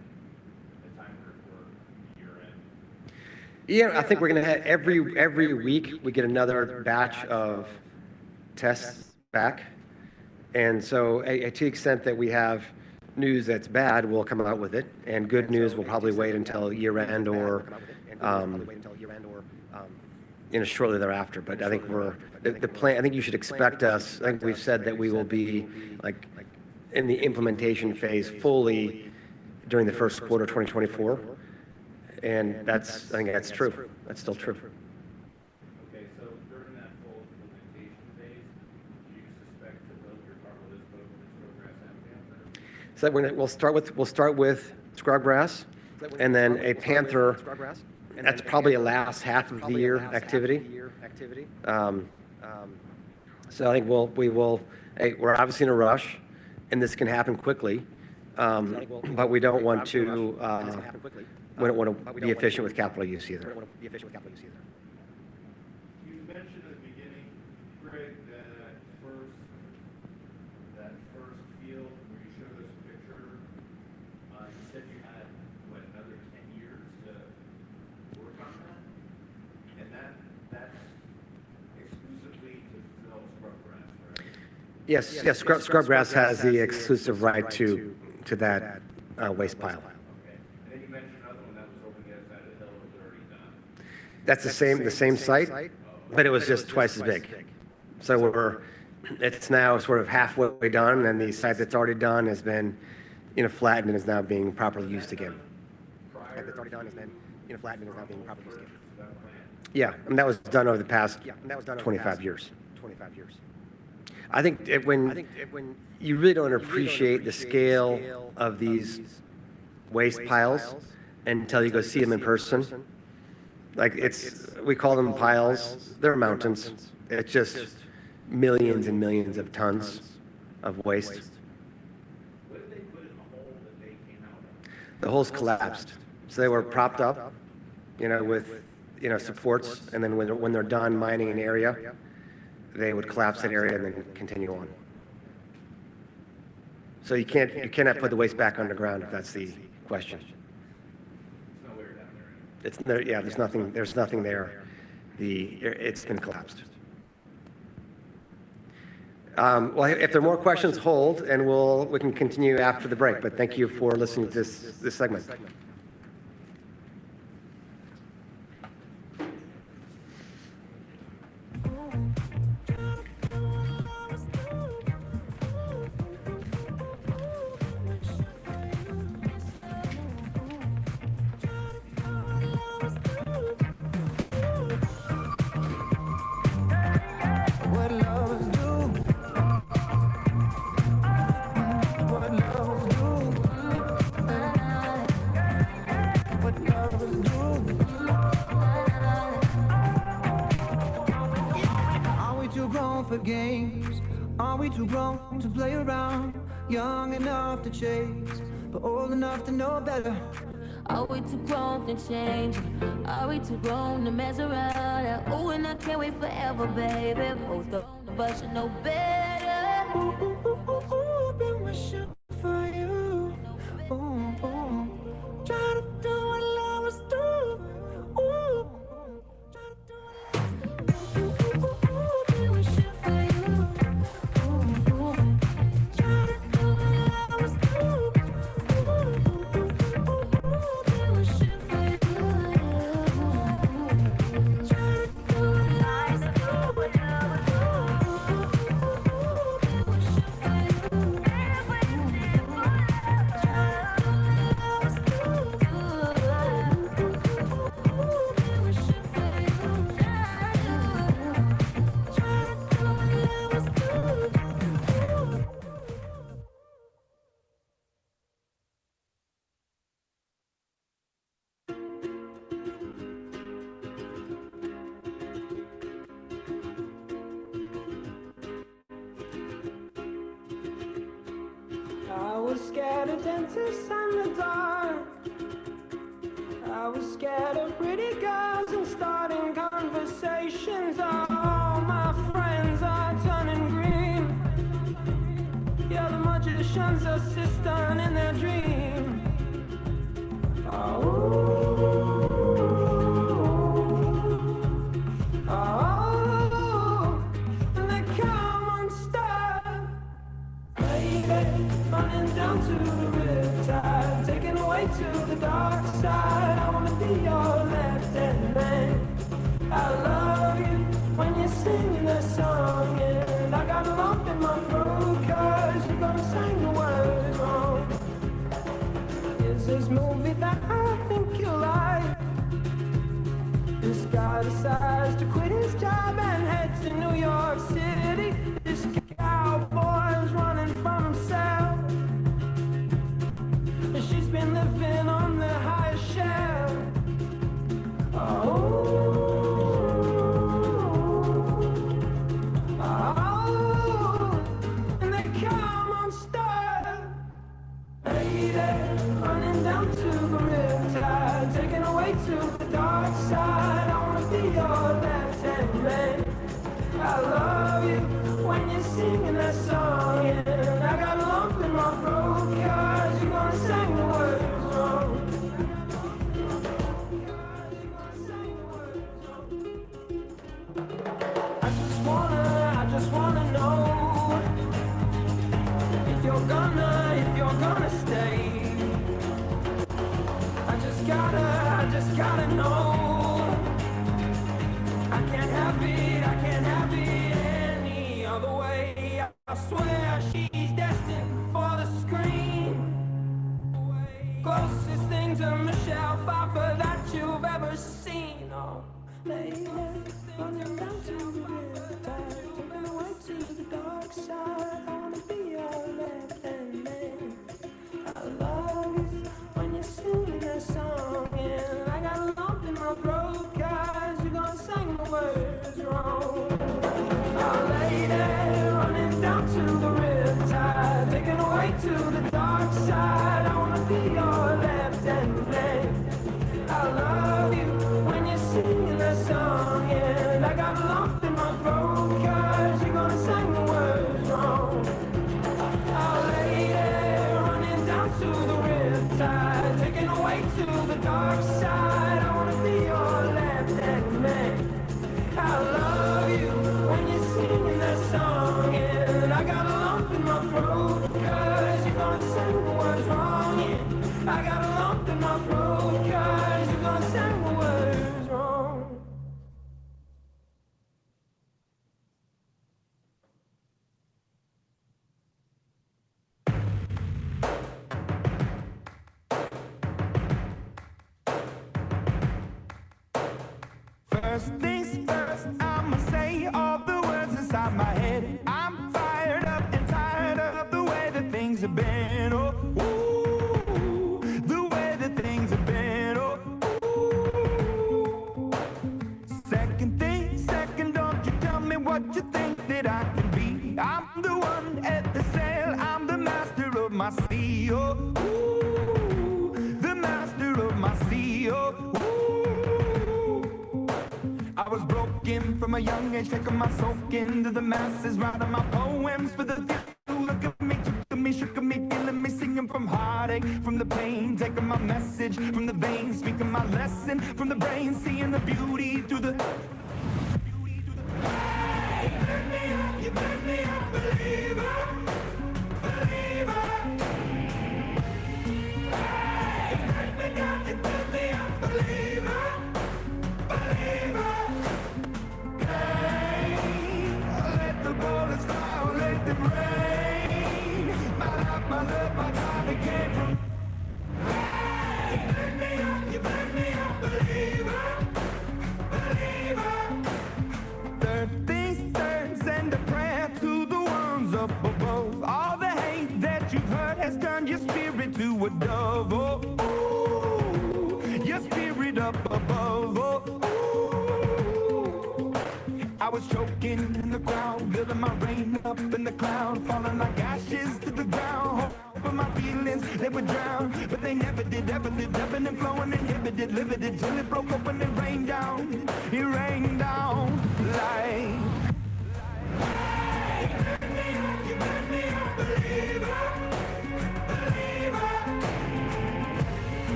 the timeline for year-end? Yeah, I think we're gonna have every week we get another batch of tests back. And so to the extent that we have news that's bad, we'll come out with it, and good news, we'll probably wait until year-end or. We'll probably wait until year-end or you know, shortly thereafter. But I think we're. The plan, I think you should expect us, I think we've said that we will be like in the implementation phase fully during the first quarter of 2024, and that's, I think that's true. That's still true. Okay, so during that whole implementation phase, do you suspect that both your Karbolith programs have the answer? So when it, we'll start with Scrubgrass, and then at Panther, that's probably a last half of the year activity. So I think we'll, we will. We're obviously in a rush, and this can happen quickly, but we don't want to be efficient with capital use either. You mentioned at the beginning, Greg, that-... field, where you showed us a picture. You said you had, what? Another 10 years to work on that? And that, that's exclusively to fill Scrubgrass, right? Yes, yes, Scrubgrass has the exclusive right to that waste pile. Okay. And then you mentioned another one that was over the other side of the hill that was already done. That's the same, the same site- But it was just twice as big. So we're—It's now sort of halfway done, and the side that's already done has been, you know, flattened and is now being properly used again. Prior- That's already done, has been, you know, flattened and is now being properly used again. -Yeah. Yeah, and that was done over the past 25 years. I think when- You really don't appreciate the scale of these waste piles until you go see them in person. Like, it's... We call them piles, they're mountains. It's just millions and millions of tons of waste. What did they put in the hole that they came out of? The holes collapsed. So they were propped up, you know, with, you know, supports, and then when they're done mining an area, they would collapse that area and then continue on. So you can't, you cannot put the waste back underground, if that's the question? It's not there down there? Yeah, there's nothing, there's nothing there. It, it's been collapsed. Well, if there are more questions, hold, and we'll, we can continue after the break. But thank you for listening to this, this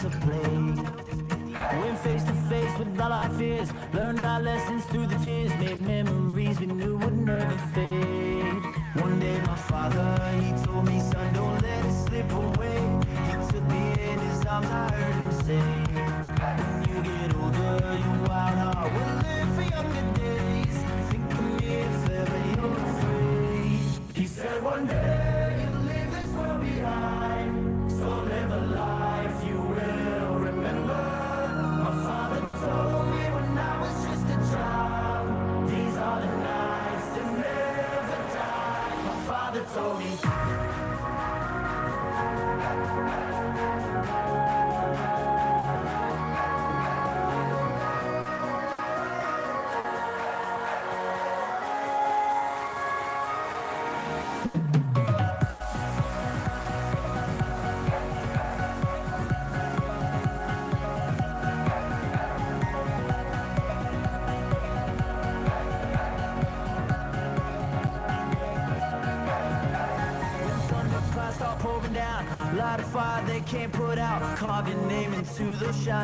segment. All right,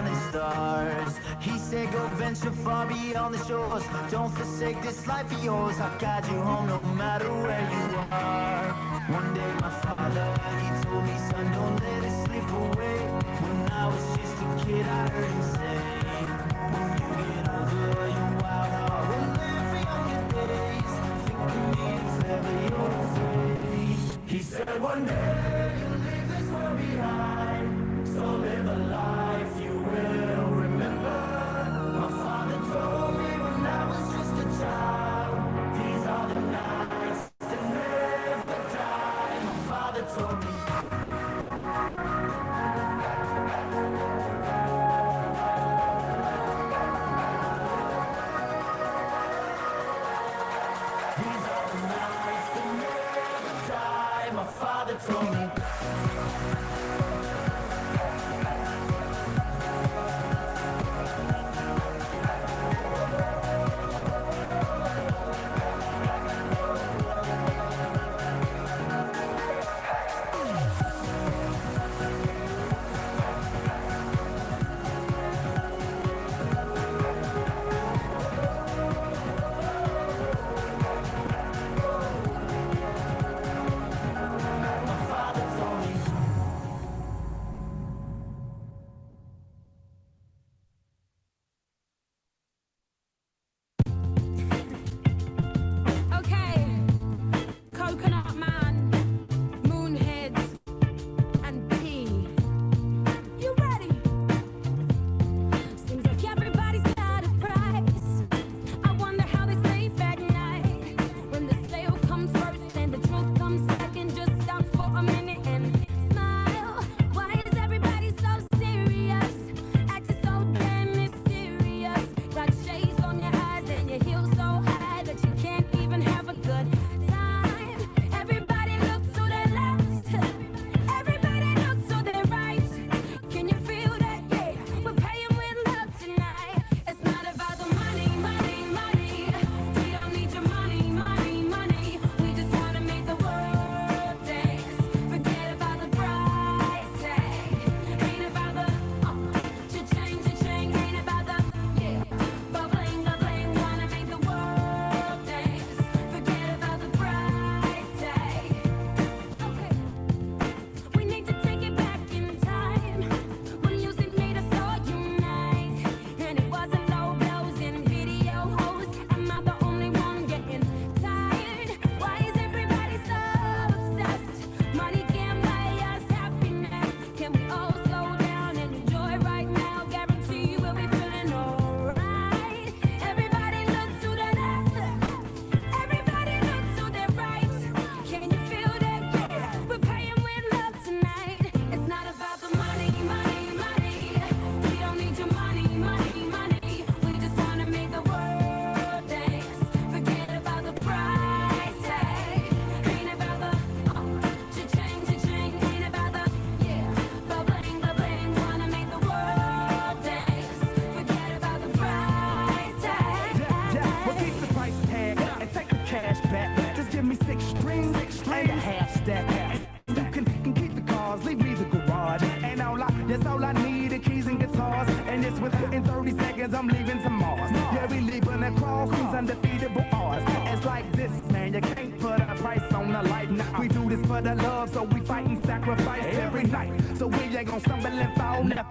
welcome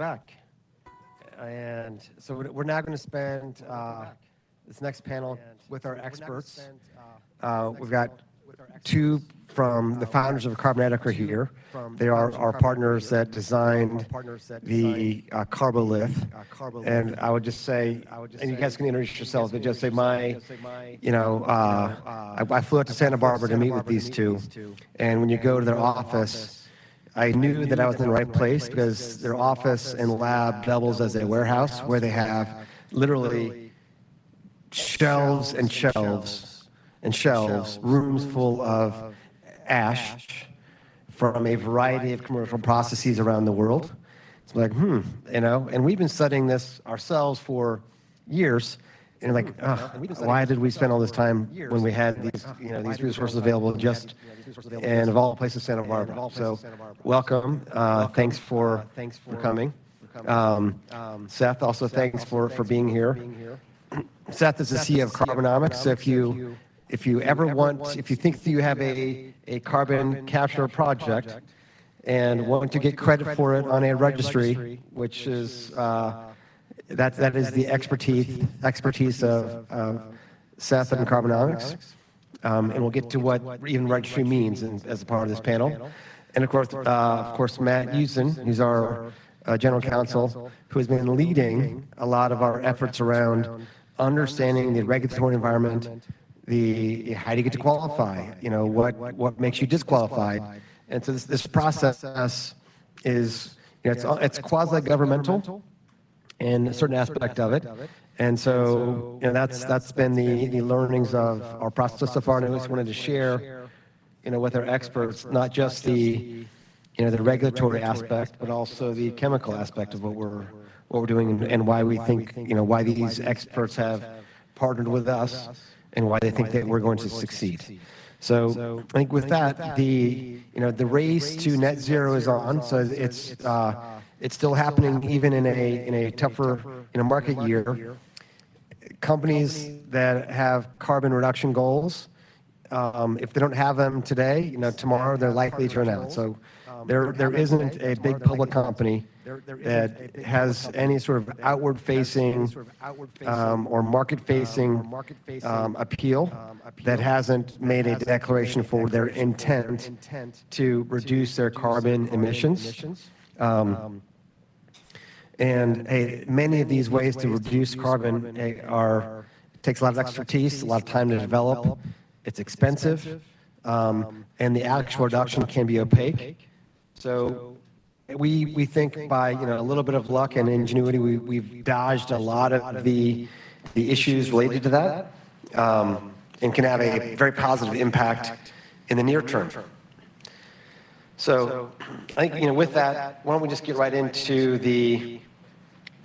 back. And so we're now gonna spend this next panel with our experts. We've got two from the founders of Karbonetiq here. They are our partners that designed the Karbolith. And I would just say... And you guys can introduce yourselves, but just say, you know, I flew out to Santa Barbara to meet with these two, and when you go to their office, I knew that I was in the right place because their office and lab doubles as a warehouse, where they have literally shelves and shelves and shelves, rooms full of ash from a variety of commercial processes around the world. It's like, hmm, you know? We've been studying this ourselves for years, and like, why did we spend all this time when we had these, you know, these resources available just and of all places, Santa Barbara? Welcome, thanks for coming. Seth, also thanks for being here. Seth is the CEO of Carbonomics. If you ever want—if you think that you have a carbon capture project and wanting to get credit for it on a registry, which is... That is the expertise of Seth and Carbonomics. We'll get to what even registry means as a part of this panel. Of course, Matt Matt Usdin, who's our General Counsel, who has been leading a lot of our efforts around understanding the regulatory environment, the... How do you get to qualify? You know, what makes you disqualified? And so this process is, you know, it's quasi-governmental in a certain aspect of it. And so, you know, that's been the learnings of our process so far, and I just wanted to share, you know, with our experts, not just the, you know, the regulatory aspect, but also the chemical aspect of what we're doing and why we think, you know, why these experts have partnered with us, and why they think that we're going to succeed. So I think with that, the, you know, the race to net zero is on, so it's still happening even in a tougher market year. Companies that have carbon reduction goals, if they don't have them today, you know, tomorrow they're likely to run out. So there isn't a big public company that has any sort of outward-facing, or market-facing, appeal, that hasn't made a declaration for their intent to reduce their carbon emissions. And many of these ways to reduce carbon, they are. It takes a lot of expertise, a lot of time to develop, it's expensive, and the actual reduction can be opaque. So we think by, you know, a little bit of luck and ingenuity, we've dodged a lot of the issues related to that, and can have a very positive impact in the near term. So I think, you know, with that, why don't we just get right into the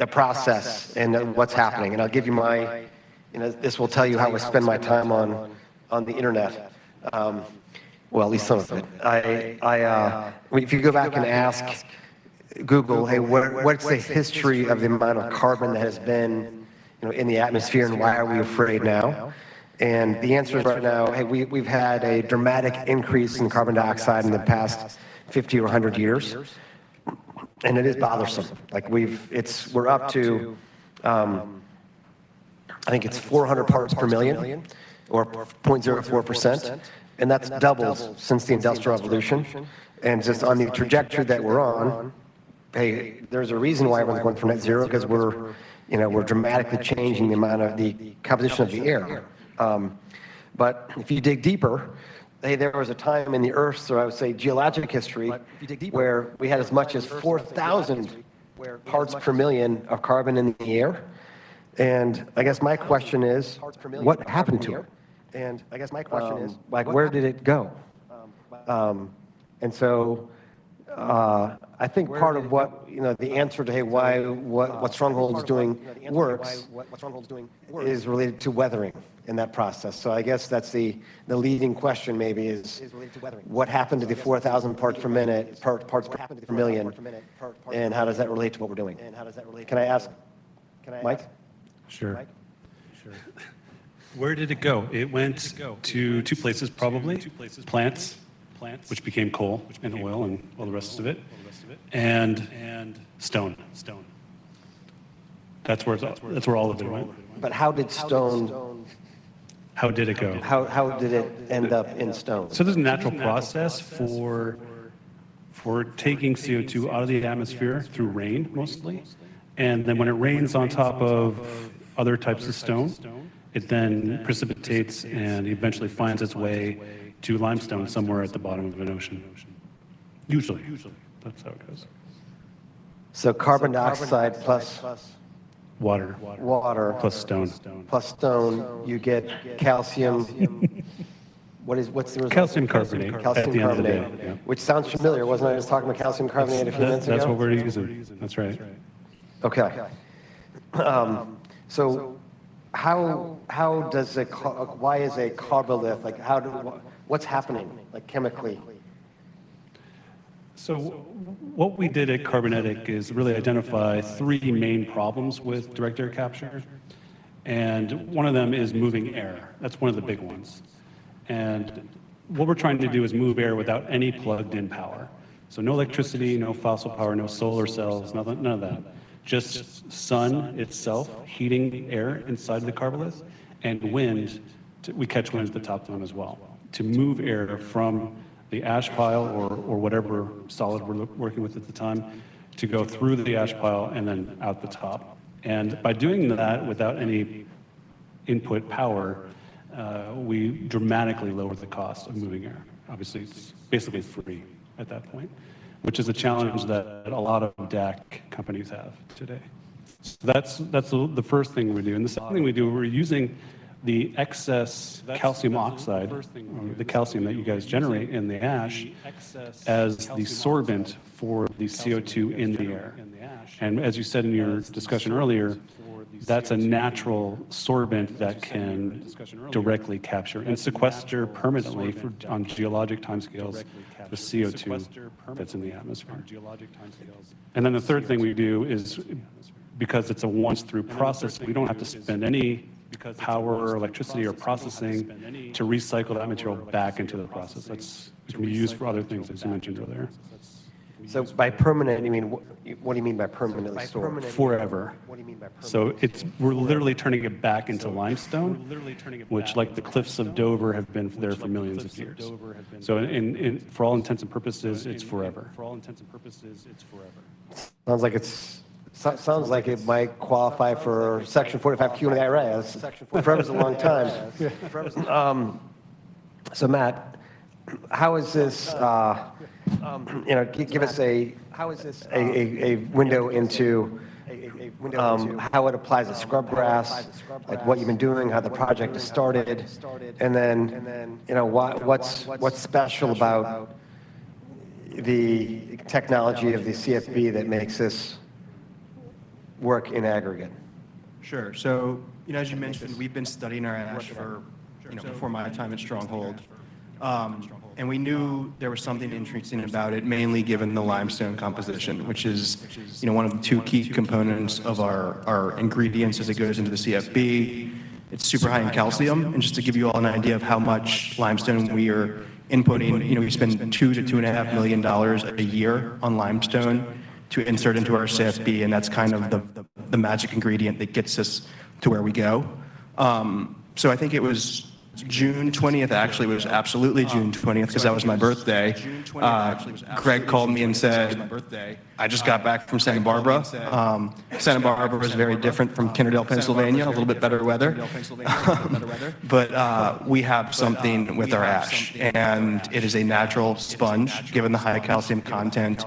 process and, what's happening? And I'll give you my. You know, this will tell you how I spend my time on the internet. Well, at least some of it. If you go back and ask Google, "Hey, what's the history of the amount of carbon that has been, you know, in the atmosphere, and why are we afraid now?" And the answer is right now, hey, we've had a dramatic increase in carbon dioxide in the past 50 or 100 years, and it is bothersome. Like, we've-- It's-- We're up to, I think it's 400 parts per million, or 0.04%, and that's doubled since the Industrial Revolution. And just on the trajectory that we're on, hey, there's a reason why everyone's going for net zero, 'cause we're, you know, we're dramatically changing the amount of the composition of the air. But if you dig deeper, hey, there was a time in the Earth's, so I would say geologic history, where we had as much as 4,000 parts per million of carbon in the air. And I guess my question is: What happened to it? Like, where did it go? And so, I think part of what, you know, the answer to, hey, why what Stronghold is doing works, is related to weathering in that process. So I guess that's the leading question maybe, is: What happened to the 4,000 parts per million, and how does that relate to what we're doing? Can I ask, Mike? Sure. Sure. Where did it go? It went to two places, probably: plants, which became coal and oil and all the rest of it, and stone. That's where it's, that's where all of it went. But how did Stronghold- How did it go? How did it end up in stone? So there's a natural process for taking CO2 out of the atmosphere, through rain, mostly. And then when it rains on top of other types of stone, it then precipitates and eventually finds its way to limestone somewhere at the bottom of an ocean. Usually, that's how it goes. Carbon dioxide plus- Water... water- Plus stone plus stone, you get calcium-... what's the- Calcium carbonate- At the end of the day. Yeah. Which sounds familiar. Wasn't I just talking about calcium carbonate a few minutes ago? That's, that's what we're using. That's right. Okay. So why is a Karbolith, like, what's happening, like, chemically? So what we did at Karbonetiq is really identify three main problems with direct air capture, and one of them is moving air. That's one of the big ones. And what we're trying to do is move air without any plugged-in power. So no electricity, no fossil power, no solar cells, nothing, none of that. Just sun itself heating the air inside the Karbolith and wind, we catch wind at the top down as well, to move air from the ash pile or whatever solid we're working with at the time, to go through the ash pile and then out the top. And by doing that without any input power, we dramatically lower the cost of moving air. Obviously, it's basically free at that point, which is a challenge that a lot of DAC companies have today. So that's the first thing we do. And the second thing we do, we're using the excess calcium oxide, the calcium that you guys generate in the ash, as the sorbent for the CO2 in the air. And as you said in your discussion earlier, that's a natural sorbent that can directly capture and sequester permanently for, on geologic timescales, the CO2 that's in the atmosphere. And then the third thing we do is, because it's a once-through process, we don't have to spend any power or electricity or processing to recycle that material back into the process. That's it can be used for other things, as you mentioned earlier. So by permanent, you mean... What do you mean by permanently stored? Forever. So, we're literally turning it back into limestone which, like the Cliffs of Dover, have been there for millions of years. So, for all intents and purposes, it's forever. Sounds like it might qualify for Section 45Q IRS. Forever's a long time. So, Matt, How is this a window into how it applies to Scrubgrass, like what you've been doing, how the project is started, and then, you know, what's special about the technology of the CFB that makes this work in aggregate? Sure. So, you know, as you mentioned, we've been studying our ash for, you know, before my time at Stronghold. And we knew there was something interesting about it, mainly given the limestone composition, which is, which is, you know, one of the two key components of our, our ingredients as it goes into the CFB. It's super high in calcium. And just to give you all an idea of how much limestone we are inputting, you know, we spend $2 million-$2.5 million a year on limestone to insert into our CFB, and that's kind of the, the, the magic ingredient that gets us to where we go. So I think it was June 20, actually. It was absolutely June 20th, 'cause that was my birthday. Greg called me and said, "I just got back from Santa Barbara. Santa Barbara is very different from Kennerdell, Pennsylvania, a little bit better weather. But, we have something with our ash, and it is a natural sponge, given the high calcium content.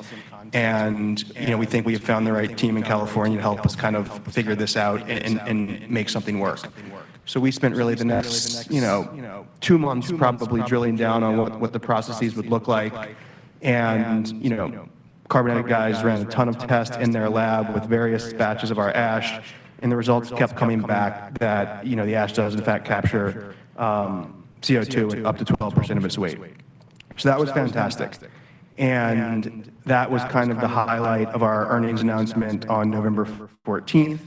You know, we think we have found the right team in California to help us kind of figure this out and make something work. So we spent really the next, you know, two months probably drilling down on what the processes would look like. You know, Karbonetiq guys ran a ton of tests in their lab with various batches of our ash, and the results kept coming back that, you know, the ash does in fact capture CO2 up to 12% of its weight. So that was fantastic, and that was kind of the highlight of our earnings announcement on November 14th.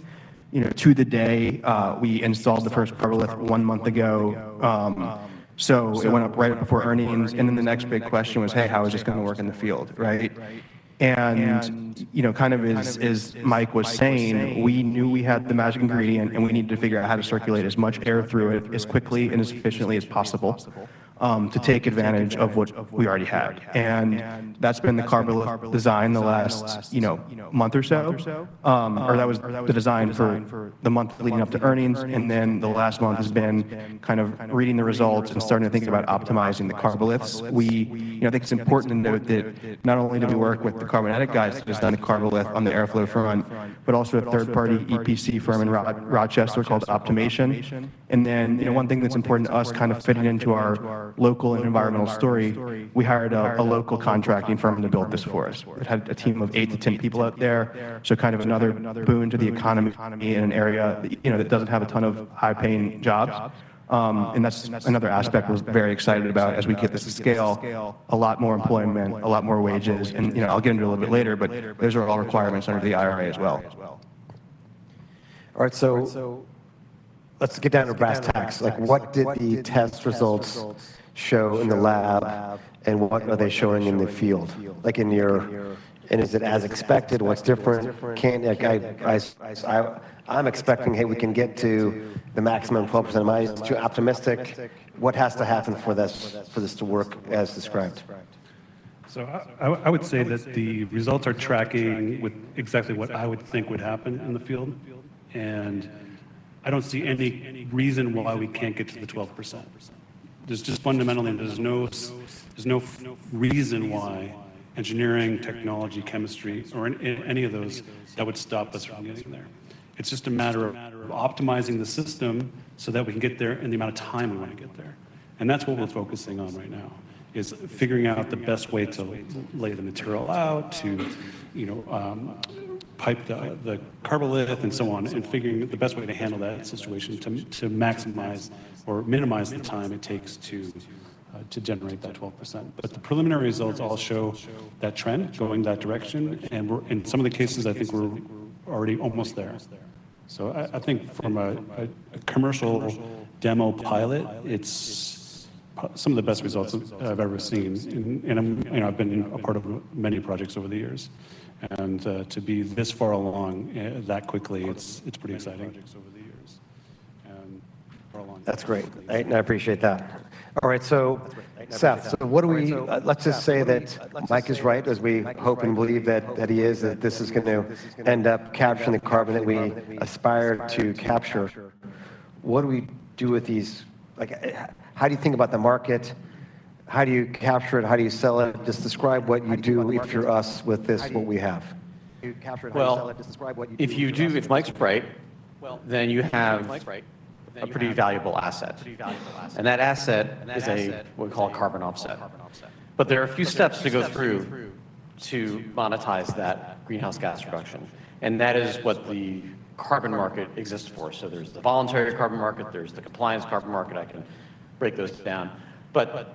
You know, to the day, we installed the first Karbolith one month ago. So it went up right before earnings, and then the next big question was: Hey, how is this gonna work in the field, right? And, you know, kind of as, as Mike was saying, we knew we had the magic ingredient, and we needed to figure out how to circulate as much air through it as quickly and as efficiently as possible, to take advantage of what we already had. And that's been the Karbolith design the last, you know, month or so. Or that was the design for the month leading up to earnings, and then the last month has been kind of reading the results and starting to think about optimizing the Karboliths. You know, I think it's important to note that not only did we work with the Karbonetiq guys, who's done the Karbolith on the airflow front, but also a third-party EPC firm in Rochester called Optimation. And then, you know, one thing that's important to us, kind of fitting into our local and environmental story, we hired a local contracting firm to build this for us. It had a team of eight to 10 people out there, so kind of another boon to the economy in an area, you know, that doesn't have a ton of high-paying jobs. And that's another aspect we're very excited about as we get this to scale: a lot more employment, a lot more wages. And, you know, I'll get into it a little bit later, but those are all requirements under the IRA as well. All right, so let's get down to brass tacks. Like, what did the test results show in the lab, and what are they showing in the field? Like, in your... Is it as expected? What's different? Like, I'm expecting, hey, we can get to the maximum 12%. Am I too optimistic? What has to happen for this, for this to work as described? So I would say that the results are tracking with exactly what I would think would happen in the field, and I don't see any reason why we can't get to the 12%. There's just fundamentally no reason why engineering, technology, chemistry, or any of those that would stop us from getting from there. It's just a matter of optimizing the system so that we can get there in the amount of time we want to get there. And that's what we're focusing on right now, is figuring out the best way to lay the material out, to, you know, pipe the Karbolith and so on, and figuring the best way to handle that situation to maximize or minimize the time it takes to generate that 12%. But the preliminary results all show that trend going that direction, and we're in some of the cases, I think we're already almost there. So I think from a commercial demo pilot, it's some of the best results I've ever seen. And I'm, you know, I've been a part of many projects over the years. And to be this far along that quickly, it's pretty exciting. That's great, and I appreciate that. All right, so Seth, what do we... Let's just say that Mike is right, as we hope and believe that, that he is, that this is going to end up capturing the carbon that we aspire to capture. What do we do with these—like, how do you think about the market? How do you capture it? How do you sell it? Just describe what you do if you're us with this, what we have. Well- If you do, if Mike's right, well, then you have a pretty valuable asset. And that asset is a, we call it carbon offset. But there are a few steps to go through to monetize that greenhouse gas reduction, and that is what the carbon market exists for. So there's the voluntary carbon market, there's the compliance carbon market. I can break those down. But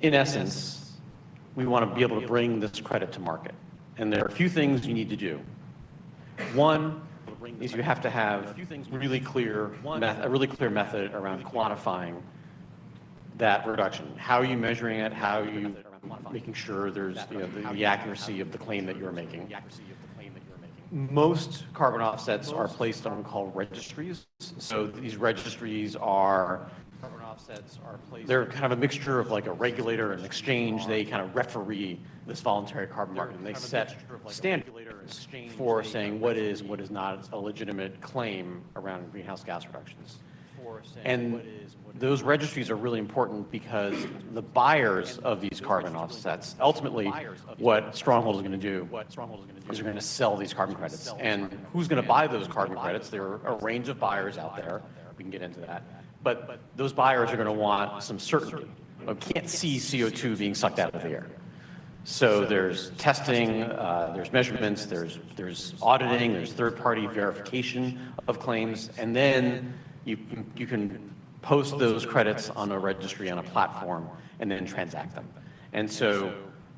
in essence, we want to be able to bring this credit to market, and there are a few things you need to do. One is you have to have really clear a really clear method around quantifying that reduction. How are you measuring it? How are you making sure there's, you know, the accuracy of the claim that you're making? Most carbon offsets are placed on what we call registries. So these registries are... They're kind of a mixture of, like, a regulator and exchange. They kind of referee this voluntary carbon market, and they set standards for saying what is and what is not a legitimate claim around greenhouse gas reductions. Those registries are really important because the buyers of these carbon offsets, ultimately, what Stronghold is going to do is we're going to sell these carbon credits. Who's going to buy those carbon credits? There are a range of buyers out there, we can get into that. But those buyers are going to want some certainty. You can't see CO2 being sucked out of the air. So there's testing, there's measurements, there's auditing, there's third-party verification of claims, and then you can post those credits on a registry, on a platform, and then transact them. So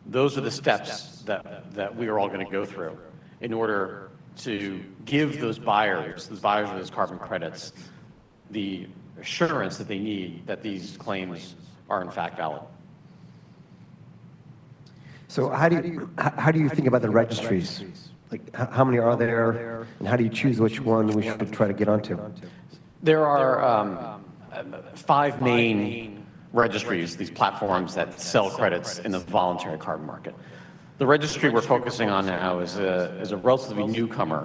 those are the steps that we are all going to go through in order to give those buyers of those carbon credits the assurance that they need that these claims are, in fact, valid. How do you think about the registries? Like, how many are there, and how do you choose which ones we should try to get onto? There are five main registries, these platforms that sell credits in the voluntary carbon market. The registry we're focusing on now is a relatively newcomer,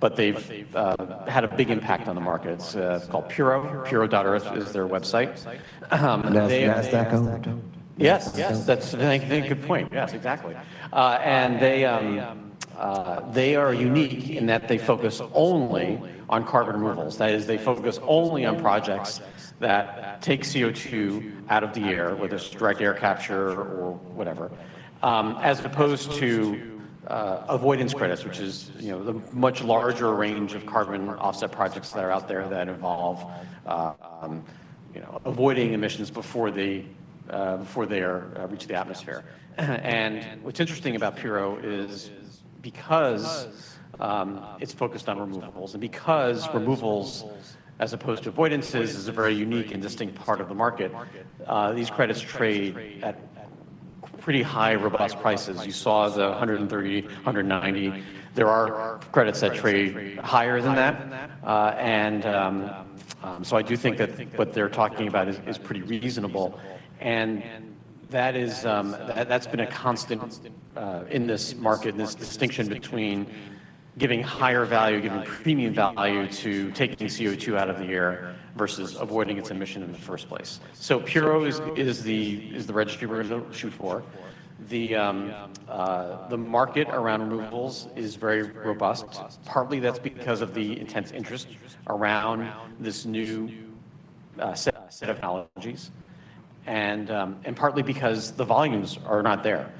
but they've had a big impact on the market. It's called Puro, puro.earth is their website. Yes. Yes, that's a good point. Yes, exactly. And they are unique in that they focus only on carbon removals. That is, they focus only on projects that take CO2 out of the air, whether it's direct air capture or whatever, as opposed to avoidance credits, which is, you know, the much larger range of carbon offset projects that are out there that involve, you know, avoiding emissions before they reach the atmosphere. And what's interesting about Puro is because it's focused on removals and because removals, as opposed to avoidances, is a very unique and distinct part of the market, these credits trade at pretty high, robust prices. You saw the $130, $190. There are credits that trade higher than that. I do think that what they're talking about is pretty reasonable. That's been a constant in this market, and this distinction between giving higher value, giving premium value to taking CO2 out of the air versus avoiding its emission in the first place. Puro is the registry we're going to shoot for. The market around removals is very robust. Partly, that's because of the intense interest around this new set of technologies, and partly because the volumes are not there.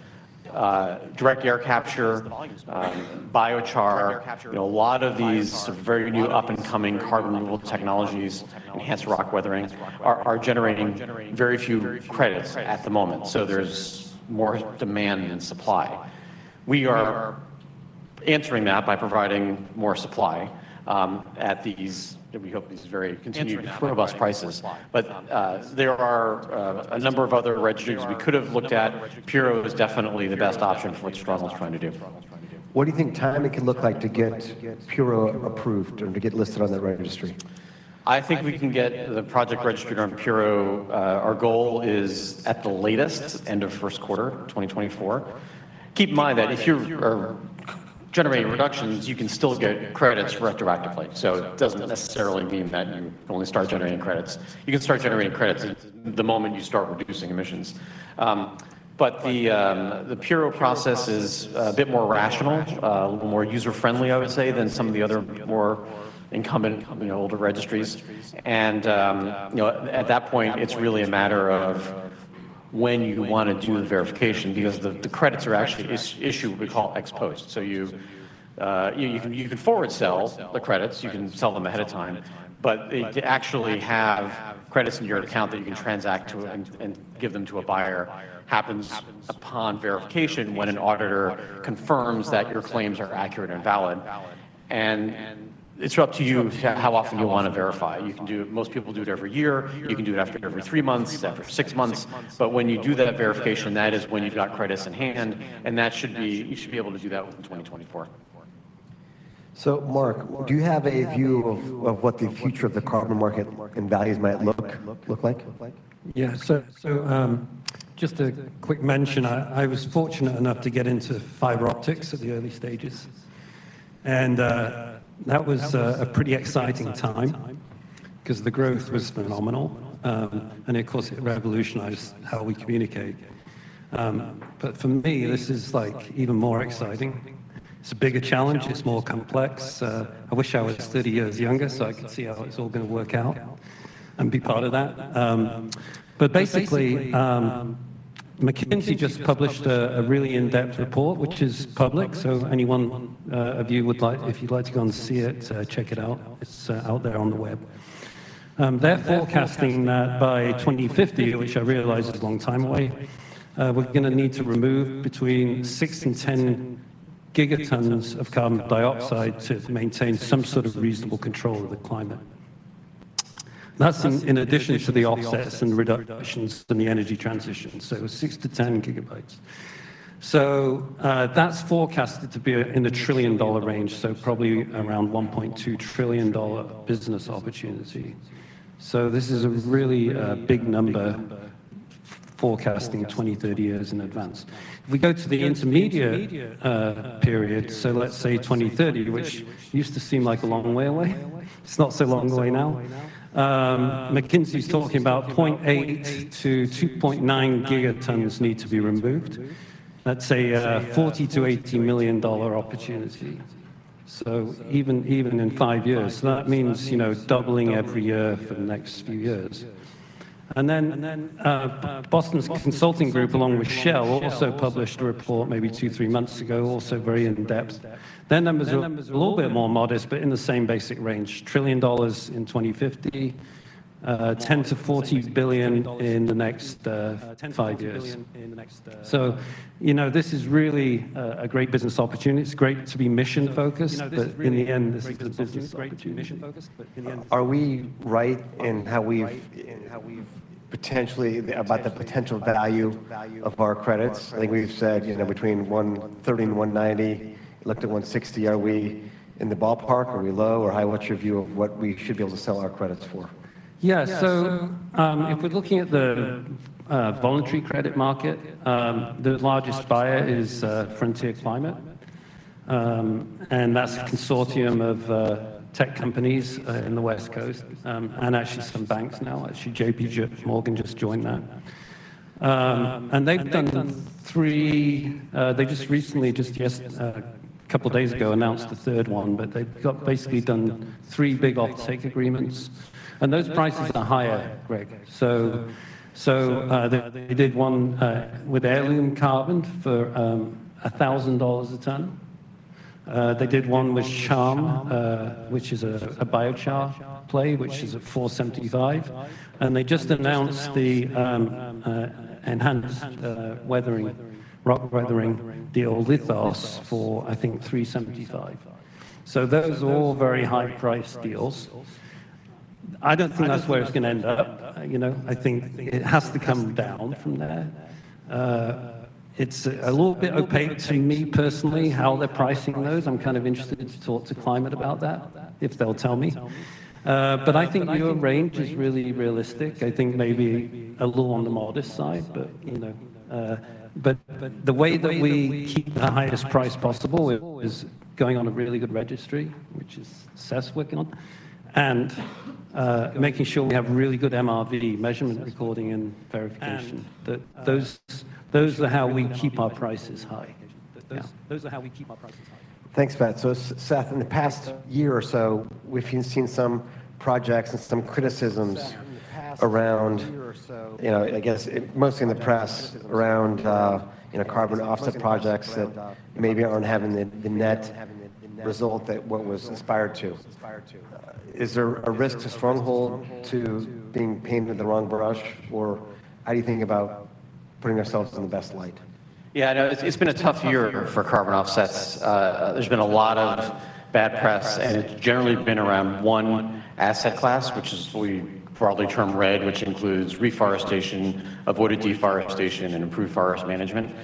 Direct air capture, biochar, you know, a lot of these very new up-and-coming carbon removal technologies, enhanced rock weathering are generating very few credits at the moment, so there's more demand than supply. We are answering that by providing more supply, at these, we hope these very continued robust prices. But, there are, a number of other registries we could have looked at. Puro is definitely the best option for what Stronghold is trying to do. What do you think timing could look like to get Puro approved or to get listed on that registry? I think we can get the project registered on Puro. Our goal is, at the latest, end of first quarter, 2024. Keep in mind that if you are generating reductions, you can still get credits retroactively. So it doesn't necessarily mean that you only start generating credits. You can start generating credits the moment you start reducing emissions. But the Puro process is a bit more rational, a little more user-friendly, I would say, than some of the other more incumbent, you know, older registries. And, you know, at that point, it's really a matter of when you want to do the verification, because the credits are actually issued, we call ex post. So you can, you can forward sell the credits, you can sell them ahead of time, but to actually have credits in your account that you can transact to and give them to a buyer happens upon verification when an auditor confirms that your claims are accurate and valid. And it's up to you how often you want to verify. Most people do it every year. You can do it after every three months, after six months, but when you do that verification, that is when you've got credits in hand, and you should be able to do that within 2024. Mark, do you have a view of what the future of the carbon market and values might look like? Yeah. So, just a quick mention, I was fortunate enough to get into fiber optics at the early stages, and, that was, a pretty exciting time because the growth was phenomenal, and of course, it revolutionized how we communicate. But for me, this is like even more exciting. It's a bigger challenge, it's more complex. I wish I was 30 years younger, so I could see how it's all gonna work out and be part of that. But basically, McKinsey just published a really in-depth report, which is public, so anyone of you would like—if you'd like to go and see it, check it out. It's out there on the web. They're forecasting that by 2050, which I realize is a long time away, we're gonna need to remove between six and 10 gigatons of carbon dioxide to maintain some sort of reasonable control of the climate. That's in addition to the offsets and reductions in the energy transition, so six to 10 gigatons. So, that's forecasted to be in the trillion-dollar range, so probably around $1.2 trillion business opportunity. So this is a really big number forecasting 20-30 years in advance. If we go to the intermediate period, so let's say 2030, which used to seem like a long way away, it's not so long away now. McKinsey's talking about 0.8-2.9 gigatons need to be removed. That's a $40 million-$80 million opportunity. So even, even in five years, that means, you know, doubling every year for the next few years. And then, Boston Consulting Group, along with Shell, also published a report maybe two to three months ago, also very in-depth. Their numbers are a little bit more modest, but in the same basic range, $1 trillion in 2050, ten to forty billion in the next, five years. So, you know, this is really a, a great business opportunity. It's great to be mission-focused, but in the end, this is a business opportunity. Are we right in how we've potentially about the potential value of our credits? I think we've said, you know, between $130 and $190, looked at $160. Are we in the ballpark? Are we low or high? What's your view of what we should be able to sell our credits for? Yeah. So, if we're looking at the voluntary credit market, the largest buyer is Frontier Climate, and that's a consortium of tech companies in the West Coast, and actually some banks now. Actually, JP Morgan just joined that. And they've done three—they just recently, just yes, a couple of days ago, announced the third one, but they've basically done three big offtake agreements, and those prices are higher, Greg. So, they did one with Heirloom Carbon for $1,000 a ton. They did one with Charm, which is a biochar play, which is at $475. And they just announced the enhanced weathering, rock weathering deal with Lithos for, I think, $375. So those are all very high-priced deals. I don't think that's where it's gonna end up. You know, I think it has to come down from there. It's a little bit opaque to me personally, how they're pricing those. I'm kind of interested to talk to Climate about that, if they'll tell me. But I think your range is really realistic. I think maybe a little on the modest side, but, you know... But the way that we keep the highest price possible is going on a really good registry, which is Seth's working on, and making sure we have really good MRV, measurement, reporting, and verification. Those are how we keep our prices high. Yeah. Thanks, Seth. So Seth, in the past year or so, we've seen some projects and some criticisms around you know, I guess, mostly in the press, around, you know, carbon offset projects that maybe aren't having the net result that what was aspired to. Is there a risk to Stronghold to being painted with the wrong brush, or how do you think about putting ourselves in the best light? Yeah, I know. It's been a tough year for carbon offsets. There's been a lot of bad press, and it's generally been around one asset class, which we broadly term REDD, which includes reforestation, avoided deforestation, and improved forest management.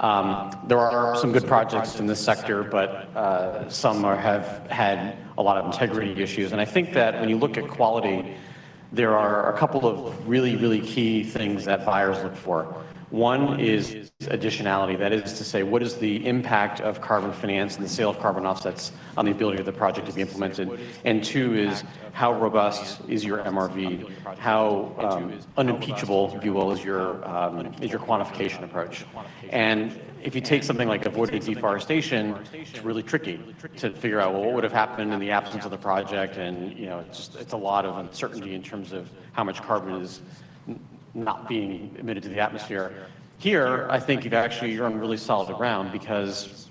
There are some good projects in this sector, but some have had a lot of integrity issues. And I think that when you look at quality, there are a couple of really, really key things that buyers look for. One is additionality, that is to say, what is the impact of carbon finance and the sale of carbon offsets on the ability of the project to be implemented? And two is, how robust is your MRV? How unimpeachable, if you will, is your quantification approach? If you take something like avoiding deforestation, it's really tricky to figure out, well, what would have happened in the absence of the project, and, you know, it's just, it's a lot of uncertainty in terms of how much carbon is not being emitted to the atmosphere. Here, I think you've actually, you're on really solid ground because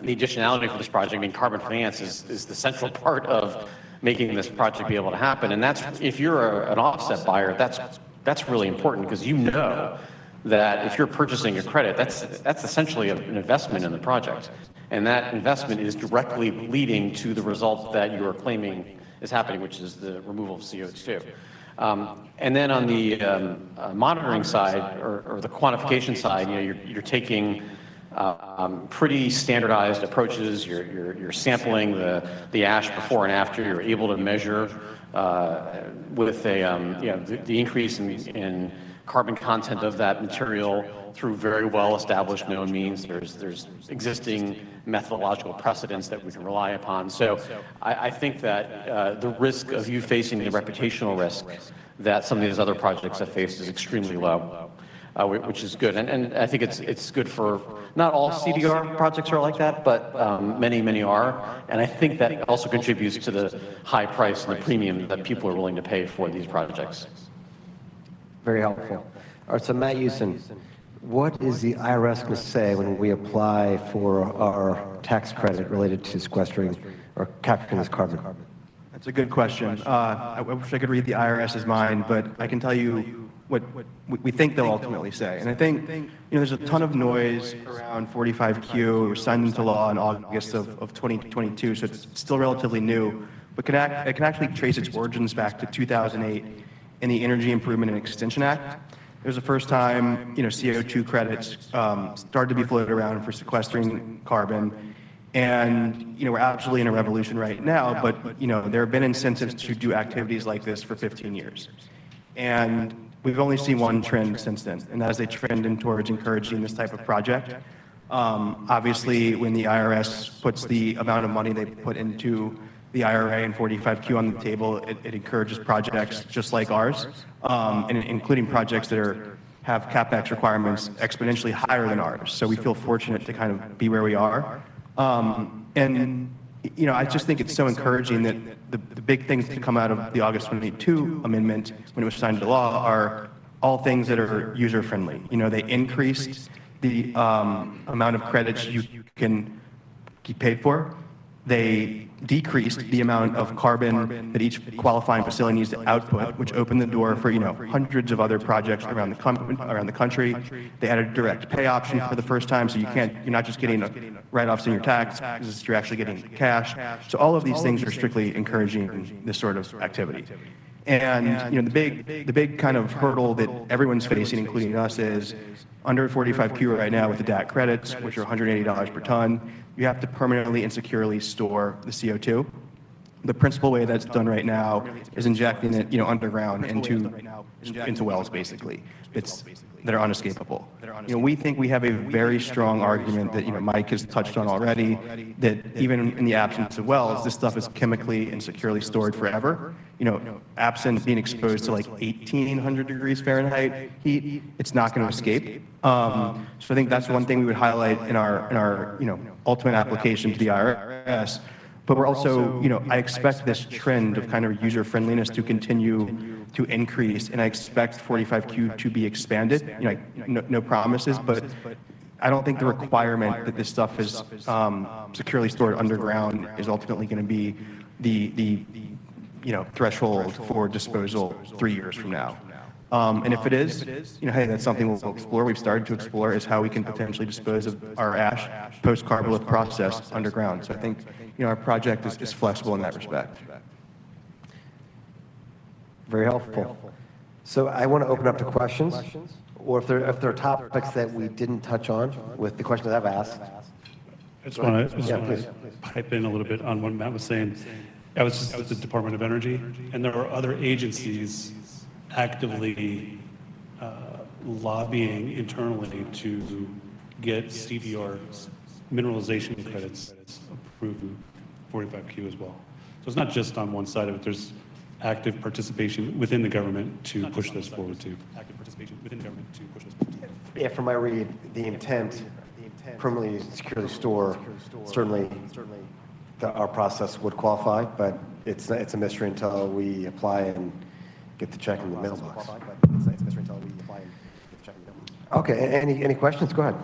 the additionality for this project, I mean, carbon finance is, is the central part of making this project be able to happen, and that's, if you're a, an offset buyer, that's, that's really important 'cause you know that if you're purchasing a credit, that's, that's essentially a, an investment in the project, and that investment is directly leading to the result that you're claiming is happening, which is the removal of CO2. And then on the monitoring side or the quantification side, you know, you're sampling the ash before and after. You're able to measure the increase in carbon content of that material through very well-established, known means. There's existing methodological precedents that we can rely upon. So I think that the risk of you facing the reputational risk that some of these other projects have faced is extremely low, which is good, and I think it's good for... Not all CDR projects are like that, but many are, and I think that also contributes to the high price and the premium that people are willing to pay for these projects. Very helpful. All right, so Matt Usdin, what is the IRS going to say when we apply for our tax credit related to sequestering or capturing this carbon? That's a good question. I wish I could read the IRS's mind, but I can tell you what we think they'll ultimately say. And I think, you know, there's a ton of noise around 45Q. It was signed into law in August of 2022, so it's still relatively new, but it can actually trace its origins back to 2008 in the Energy Improvement and Extension Act. It was the first time, you know, CO2 credits started to be floated around for sequestering carbon, and, you know, we're actually in a revolution right now, but, you know, there have been incentives to do activities like this for 15 years, and we've only seen one trend since then, and that is a trend towards encouraging this type of project. Obviously, when the IRS puts the amount of money they put into the IRA and 45Q on the table, it encourages projects just like ours, and including projects that have CapEx requirements exponentially higher than ours. So we feel fortunate to kind of be where we are. And, you know, I just think it's so encouraging that the big things to come out of the August 2022 amendment, when it was signed into law, are all things that are user friendly. You know, they increased the amount of credits you can get paid for. They decreased the amount of carbon that each qualifying facility needs to output, which opened the door for, you know, hundreds of other projects around the country. They added a direct pay option for the first time, so you can, you're not just getting a write-off on your taxes, you're actually getting cash. So all of these things are strictly encouraging this sort of activity. And, you know, the big, the big kind of hurdle that everyone's facing, including us, is under 45Q right now with the DAC credits, which are $180 per ton, you have to permanently and securely store the CO2. The principal way that's done right now is injecting it, you know, underground into, into wells, basically. It's, that are inescapable. You know, we think we have a very strong argument that, you know, Mike has touched on already, that even in the absence of wells, this stuff is chemically and securely stored forever. You know, absent being exposed to, like, 1,800 degrees Fahrenheit heat, it's not going to escape. So I think that's one thing we would highlight in our you know ultimate application to the IRS. But we're also, you know, I expect this trend of kind of user-friendliness to continue to increase, and I expect 45Q to be expanded. You know, no, no promises, but I don't think the requirement that this stuff is securely stored underground is ultimately gonna be the you know threshold for disposal three years from now. And if it is, you know, hey, that's something we'll explore. We've started to explore is how we can potentially dispose of our ash post-Karbolith process underground. So I think, you know, our project is flexible in that respect. Very helpful. So I want to open up to questions, or if there are topics that we didn't touch on with the questions I've asked. I just want to- Yeah, please ...pipe in a little bit on what Matt was saying. I was just with the Department of Energy, and there are other agencies actively lobbying internally to get CDR's mineralization credits approved in 45Q as well. So it's not just on one side of it, there's active participation within the government to push this forward, too. Yeah, from my read, the intent to permanently and securely store, certainly, certainly our process would qualify, but it's, it's a mystery until we apply and get the check in the mailbox. Okay, any, any questions? Go ahead.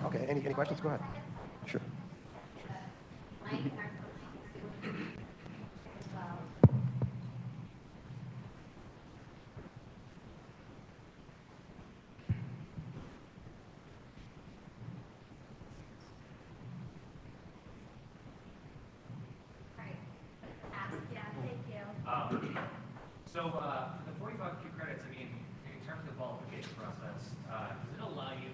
Sure. Yeah. Thank you. So, the 45Q credits, I mean, in terms of the qualification process, does it allow you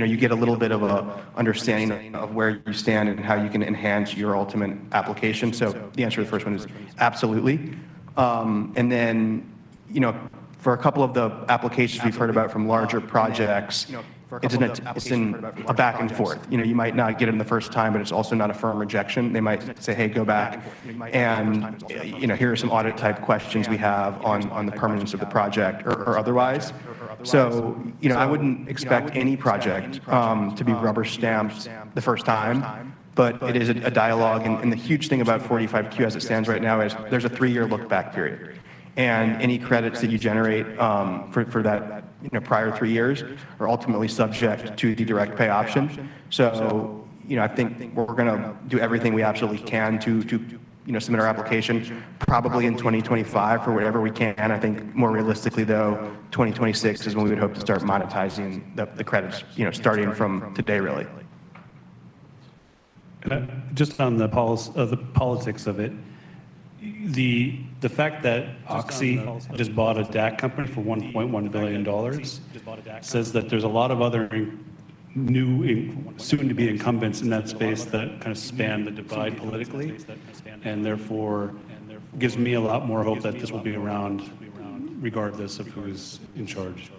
know, you get a little bit of a understanding of where you stand and how you can enhance your ultimate application. So the answer to the first one is absolutely. And then, you know, for a couple of the applications we've heard about from larger projects, it's an, it's in a back and forth. You know, you might not get in the first time, but it's also not a firm rejection. They might say, "Hey, go back, and, you know, here are some audit-type questions we have on the permanence of the project or otherwise." So, you know, I wouldn't expect any project to be rubber-stamped the first time, but it is a dialogue. And the huge thing about 45Q, as it stands right now, is there's a three-year look-back period, and any credits that you generate for that, you know, prior three years are ultimately subject to the direct pay option. So, you know, I think we're gonna do everything we absolutely can to you know, submit our application probably in 2025 for whatever we can. I think more realistically, though, 2026 is when we would hope to start monetizing the credits, you know, starting from today, really. Just on the politics of it, the fact that Oxy just bought a DAC company for $1.1 billion says that there's a lot of other new soon-to-be incumbents in that space that kind of span the divide politically, and therefore gives me a lot more hope that this will be around, regardless of who's in charge.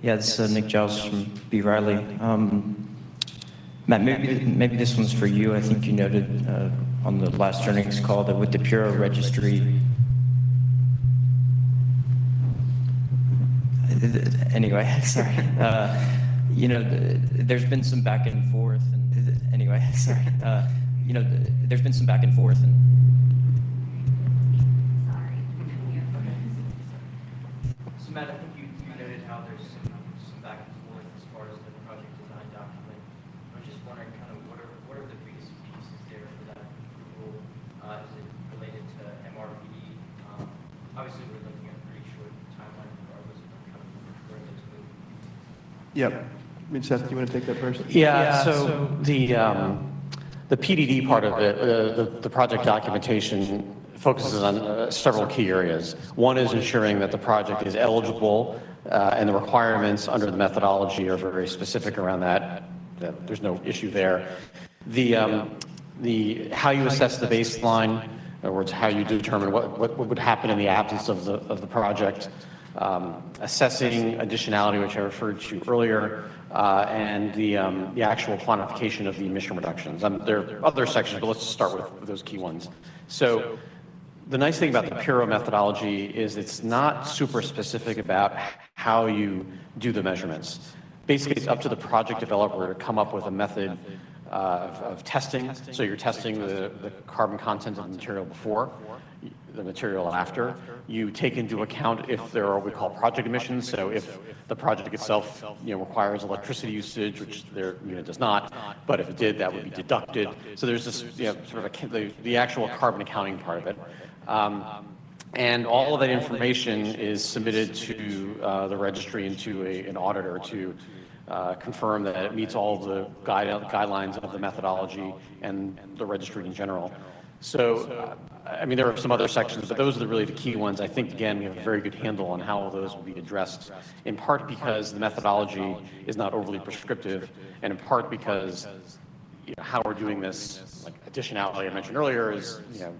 I have a mic working now. Great, thanks. Yeah, this is Nick Giles from B. Riley. Matt, maybe, maybe this one's for you. I think you noted on the last earnings call that with the Puro Registry... Anyway, sorry. You know, there's been some back and forth and... Anyway, sorry. You know, there's been some back and forth and- [inaudible] So, Matt, I think you noted how there's some back and forth as far as the project design document. I'm just wondering, kind of, what are the biggest pieces there for that approval? Is it related to MRV? Obviously, we're looking at a pretty short timeline regardless of how quickly you move. Yep. I mean, Seth, do you want to take that first? Yeah. So the PDD part of it, the project documentation focuses on several key areas. One is ensuring that the project is eligible, and the requirements under the methodology are very specific around that. There's no issue there. How you assess the baseline, or how you determine what would happen in the absence of the project, assessing additionality, which I referred to earlier, and the actual quantification of the emission reductions. There are other sections, but let's start with those key ones. So the nice thing about the Puro methodology is it's not super specific about how you do the measurements. Basically, it's up to the project developer to come up with a method of testing. So you're testing the carbon content of the material before the material after. You take into account if there are what we call project emissions. So if the project itself, you know, requires electricity usage, which their unit does not, but if it did, that would be deducted. So there's this, you know, the actual carbon accounting part of it. And all of that information is submitted to the registry and to an auditor to confirm that it meets all the guidelines of the methodology and the registry in general. So I mean, there are some other sections, but those are really the key ones. I think, again, we have a very good handle on how those will be addressed, in part because the methodology is not overly prescriptive and in part because, you know, how we're doing this, like, additionality, I mentioned earlier, is, you know,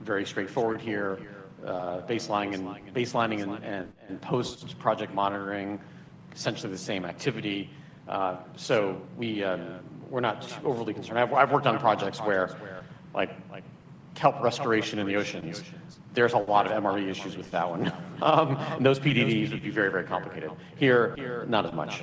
very straightforward here. Baselining and post-project monitoring, essentially the same activity. So we, we're not overly concerned. I've worked on projects where, like, kelp restoration in the oceans. There's a lot of MRV issues with that one. And those PDDs would be very, very complicated. Here, not as much.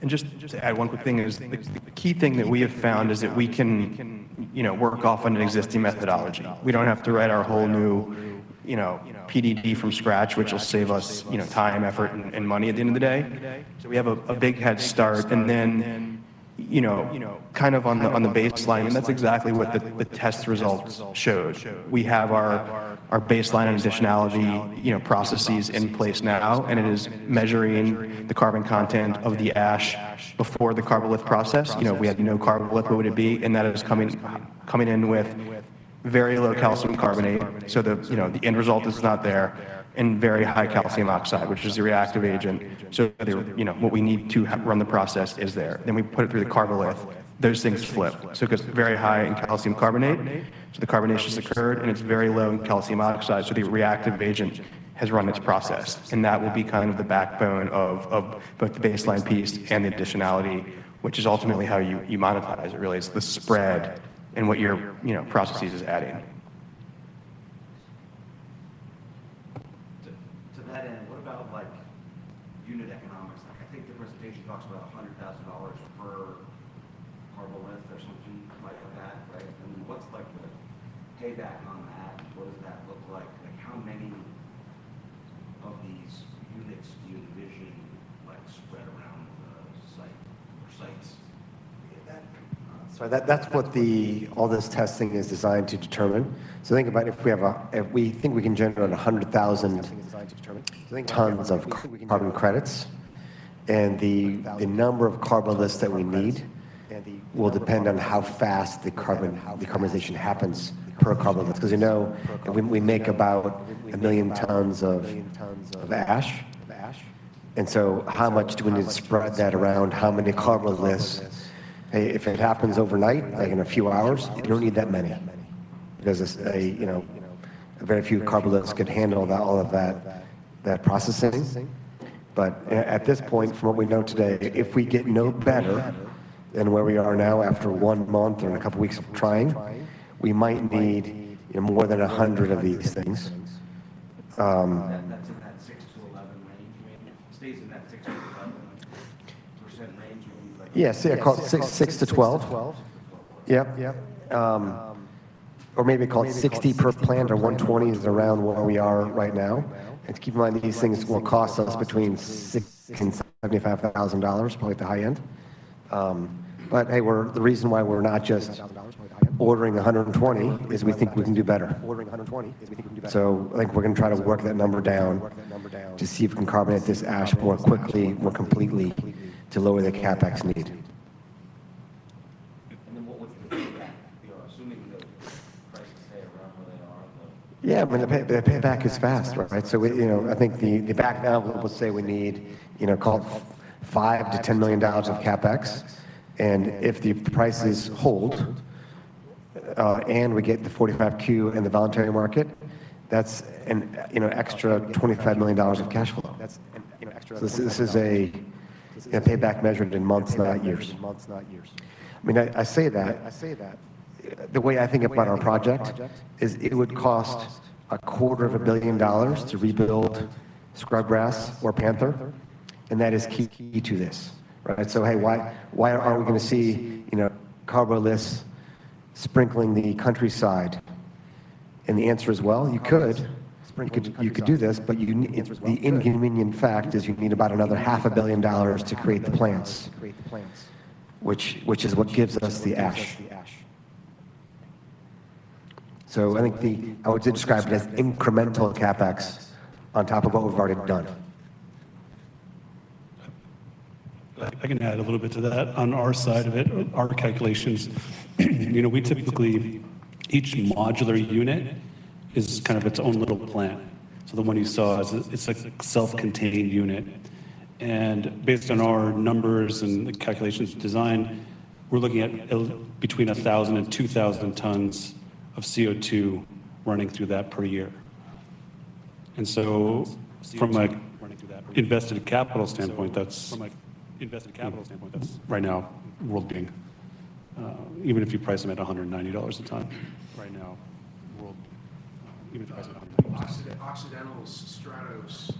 And just to add one quick thing is, the key thing that we have found is that we can, you know, work off an existing methodology. We don't have to write our whole new, you know, PDD from scratch, which will save us, you know, time, effort, and money at the end of the day. So we have a big head start. And then, you know, kind of on the baseline, and that's exactly what the test results showed. We have our baseline and additionality, you know, processes in place now, and it is measuring the carbon content of the ash before the Karbolith process. You know, if we had no Karbolith, what would it be? And that is coming- ...coming in with very low calcium carbonate, so the, you know, the end result is not there, and very high calcium oxide, which is the reactive agent. So the, you know, what we need to have run the process is there. Then we put it through the Karbolith, those things flip. So it goes very high in calcium carbonate, so the carbonation has occurred, and it's very low in calcium oxide, so the reactive agent has run its process. And that will be kind of the backbone of, of both the baseline piece and the additionality, which is ultimately how you, you monetize it, really. It's the spread and what your, you know, processes is adding. To that end, what about, like, unit economics? I think the presentation talks about $100,000 per Karbolith or something like that, right? I mean, what's like the payback on that? What does that look like? Like, how many of these units do you envision, like, spread around the site or sites? So that's what all this testing is designed to determine. So think about if we think we can generate around 100,000 tons of carbon credits, and the number of Karboliths that we need will depend on how fast the carbonization happens per Karbolith. 'Cause, you know, we make about 1,000,000 tons of ash, and so how much do we need to spread that around? How many Karboliths? If it happens overnight, like in a few hours, you don't need that many. Because, you know, a very few Karboliths could handle all that, all of that processing. But at this point, from what we know today, if we get no better than where we are now after one month and a couple weeks of trying, we might need more than 100 of these things. That's in that 6%-11% range, maybe? Stays in that 6%-11% range, maybe like- Yes, yeah, call it 6%-12%. Yep. Or maybe call it 60 per plant, or 120 is around where we are right now. And keep in mind that these things will cost us between $6,000 and $75,000, probably at the high end. But, hey, we're—the reason why we're not just ordering 120 is we think we can do better. So I think we're going to try to work that number down to see if we can carbonate this ash more quickly, more completely, to lower the CapEx need. What would the payback be? Assuming the prices stay around where they are- Yeah, I mean, the pay, the payback is fast, right? So we... You know, I think the back of the envelope, let's say we need, you know, call it $5 million-$10 million of CapEx. And if the prices hold, and we get the 45Q in the voluntary market, that's an, you know, extra $25 million of cash flow. This is a, a payback measured in months, not years. I mean, I say that, the way I think about our project is it would cost $250 million to rebuild Scrubgrass or Panther, and that is key, key to this, right? So, hey, why, why aren't we going to see, you know, Karbolith sprinkling the countryside? And the answer is, well, you could. You could, you could do this, but you, the inconvenient fact is you'd need about another $500 million to create the plants, which, which is what gives us the ash. So I think the, I would describe it as incremental CapEx on top of what we've already done. I can add a little bit to that. On our side of it, our calculations, you know, we typically... Each modular unit is kind of its own little plant. So the one you saw, it's a self-contained unit. And based on our numbers and the calculations design, we're looking at between 1,000 and 2,000 tons of CO2 running through that per year. And so from an invested capital standpoint, that's right now world-leading. Even if you price them at $190 a ton. Right now, world... Even price at $100. Occidental's Stratos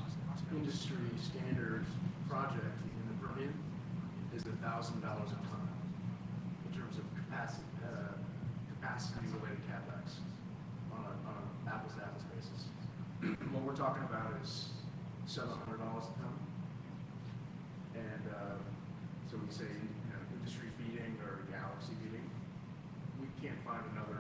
industry standard project in the Permian is $1,000 a ton in terms of capacity, capacity-related CapEx on a, on an apples-to-apples basis. What we're talking about is $700 a ton. And, so when you say, you know, industry leading or galaxy leading, we can't find another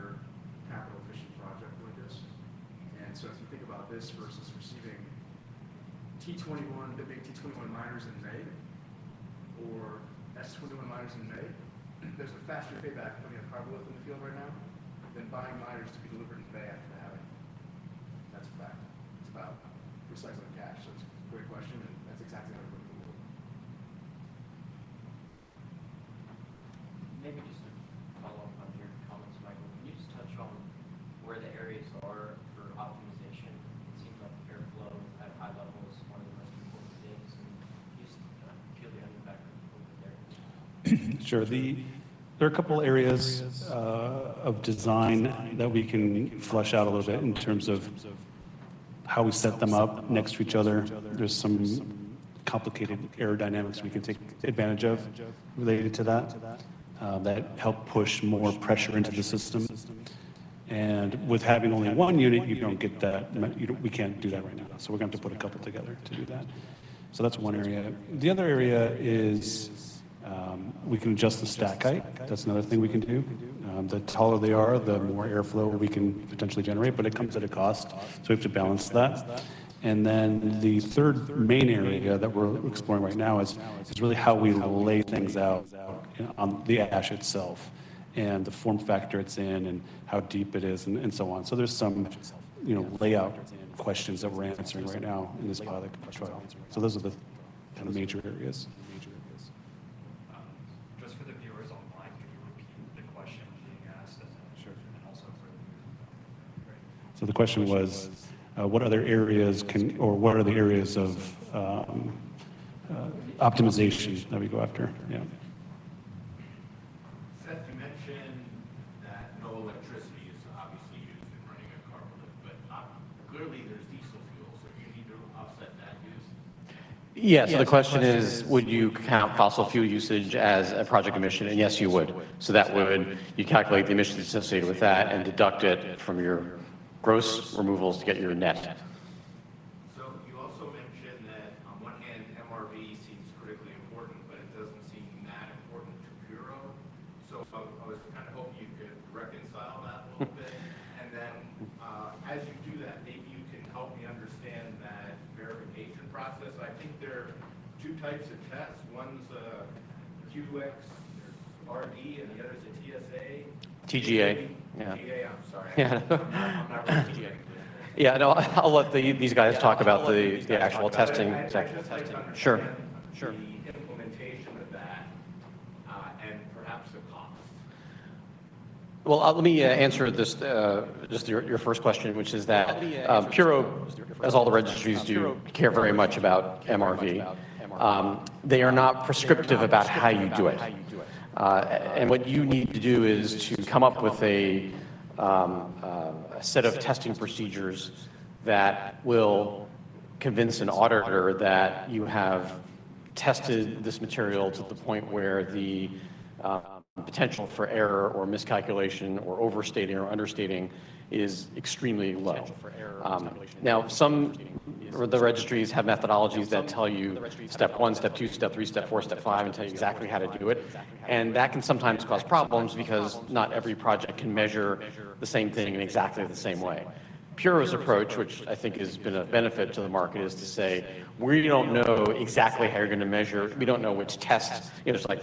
Sure. There are a couple areas of design that we can flesh out a little bit in terms of how we set them up next to each other. There's some complicated aerodynamics we can take advantage of related to that that help push more pressure into the system. And with having only one unit, you don't get that. We can't do that right now, so we're going to have to put a couple together to do that. So that's one area. The other area is, we can adjust the stack height. That's another thing we can do. The taller they are, the more airflow we can potentially generate, but it comes at a cost, so we have to balance that. And then the third main area that we're exploring right now is really how we lay things out on the ash itself, and the form factor it's in, and how deep it is, and so on. So there's some, you know, layout questions that we're answering right now in this pilot control. So those are the kind of major areas. ... viewers online, can you repeat the question being asked as- And also for the news? So the question was, what other areas or what are the areas of optimization that we go after? Yeah. Seth, you mentioned that no electricity is obviously used in running a Karbolith, but clearly there's diesel fuel, so do you need to offset that use? Yeah, so the question is: would you count fossil fuel usage as a project emission? And yes, you would. So that would, you calculate the emissions associated with that and deduct it from your gross removals to get your net. So you also mentioned that on one hand, MRV seems critically important, but it doesn't seem that important to Puro. So, so I was kind of hoping you could reconcile that a little bit. And then, as you do that, maybe you can help me understand that verification process. I think there are two types of tests. One's QXRD, and the other is a TSA- TGA. TGA, I'm sorry. Yeah. I'm not running TGA. Yeah, no, I'll let the, these guys talk about the the actual testing. I'd just like to understand- Sure, sure. The implementation of that, and perhaps the cost. Well, let me answer this just your first question, which is that- Yeah... Puro, as all the registries do, care very much about MRV. They are not prescriptive about how you do it. What you need to do is to come up with a set of testing procedures that will convince an auditor that you have tested this material to the point where the potential for error, or miscalculation, or overstating, or understating is extremely low. Now, some of the registries have methodologies that tell you, step one, step two, step three, step four, step five, and tell you exactly how to do it, and that can sometimes cause problems because not every project can measure the same thing in exactly the same way. Puro's approach, which I think has been a benefit to the market, is to say, "We don't know exactly how you're gonna measure. We don't know which test..." You know, there's like,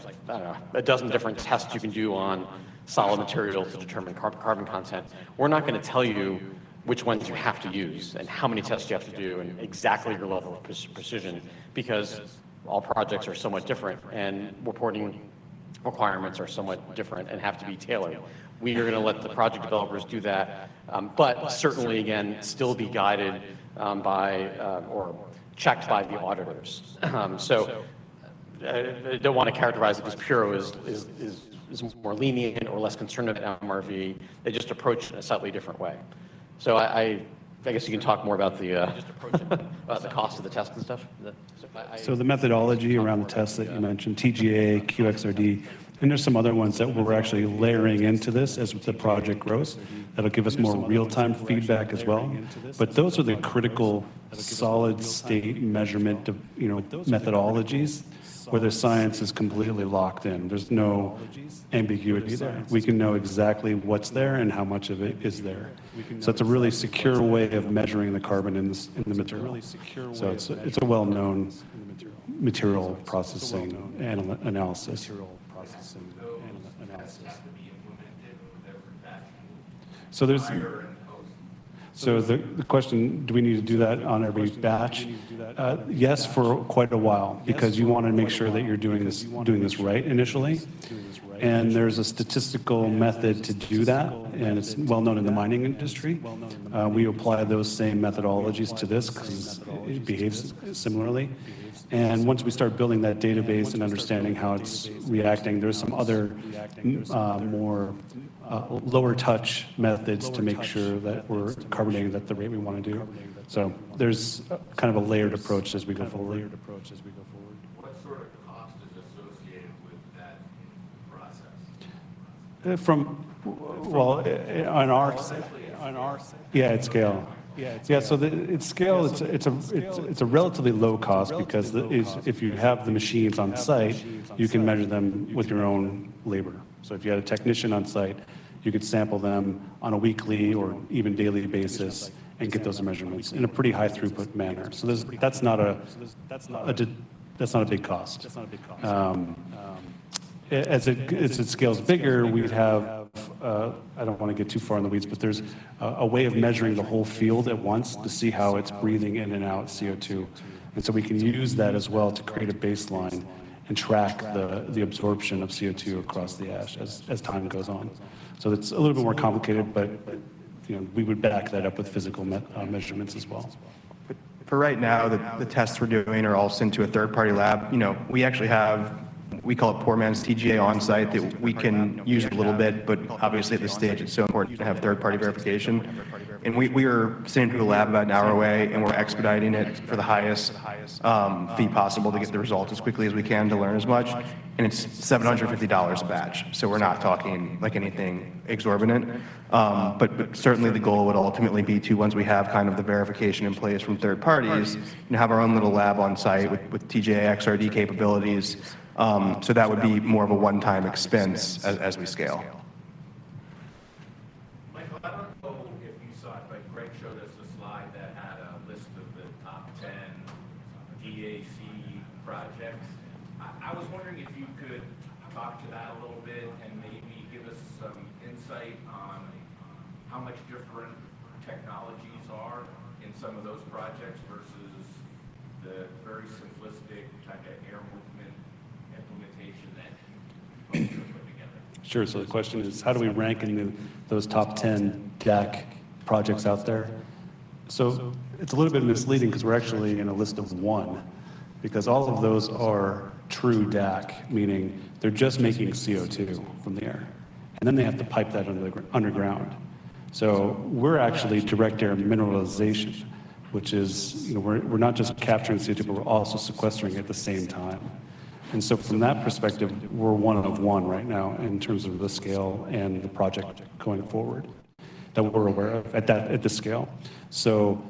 a dozen different tests you can do on solid materials to determine carbon content. We're not gonna tell you which ones you have to use, and how many tests you have to do, and exactly your level of precision, because all projects are somewhat different, and reporting requirements are somewhat different and have to be tailored. We are gonna let the project developers do that, but certainly, again, still be guided by, or checked by the auditors. So, I don't want to characterize it as Puro is more lenient or less concerned about MRV, they just approach it in a slightly different way. So I guess you can talk more about the cost of the test and stuff. The- So the methodology around the tests that you mentioned, TGA, QXRD, and there's some other ones that we're actually layering into this as the project grows, that'll give us more real-time feedback as well. But those are the critical, solid state measurement of, you know, methodologies, where the science is completely locked in. There's no ambiguity there. We can know exactly what's there and how much of it is there. So it's a really secure way of measuring the carbon in the material. So it's a, it's a well-known material processing analysis. Those tests have to be implemented with every batch? So there's- Prior and post. So the question: do we need to do that on every batch? Yes, for quite a while, because you wanna make sure that you're doing this, doing this right initially. And there's a statistical method to do that, and it's well known in the mining industry. We apply those same methodologies to this because it behaves similarly. And once we start building that database and understanding how it's reacting, there are some other, more lower touch methods to make sure that we're carbonating at the rate we want to do. So there's kind of a layered approach as we go forward. What sort of cost is associated with that process? Well, on our- Yeah, at scale. Yeah, so at scale, it's a relatively low cost because if you have the machines on site, you can measure them with your own labor. So if you had a technician on site, you could sample them on a weekly or even daily basis and get those measurements in a pretty high throughput manner. So that's not a big cost. As it scales bigger, we'd have... I don't want to get too far in the weeds, but there's a way of measuring the whole field at once, to see how it's breathing in and out CO2. And so we can use that as well to create a baseline and track the absorption of CO2 across the ash as time goes on. It's a little bit more complicated, but, you know, we would back that up with physical measurements as well. For right now, the tests we're doing are all sent to a third-party lab. You know, we actually have we call it poor man's TGA on-site, that we can use a little bit, but obviously at this stage it's so important to have third-party verification. And we are sending to a lab about an hour away, and we're expediting it for the highest fee possible to get the results as quickly as we can, to learn as much, and it's $750 a batch. So we're not talking, like, anything exorbitant. But certainly the goal would ultimately be to, once we have kind of the verification in place from third parties, and have our own little lab on-site with TGA, XRD capabilities. So that would be more of a one-time expense as we scale. Michael, I don't know if you saw it, but Greg showed us a slide that had a list of the top 10 DAC projects. I was wondering if you could talk to that a little bit-... some insight on how much different technologies are in some of those projects versus the very simplistic type of air movement implementation that you folks are putting together? Sure. So the question is, how do we rank in the, those top 10 DAC projects out there? So it's a little bit misleading, 'cause we're actually in a list of 1, because all of those are true DAC, meaning they're just making CO2 from the air, and then they have to pipe that underground. So we're actually direct air mineralization, which is, you know, we're, we're not just capturing CO2, but we're also sequestering at the same time. And so from that perspective, we're one of one right now in terms of the scale and the project going forward, that we're aware of at that, at this scale. So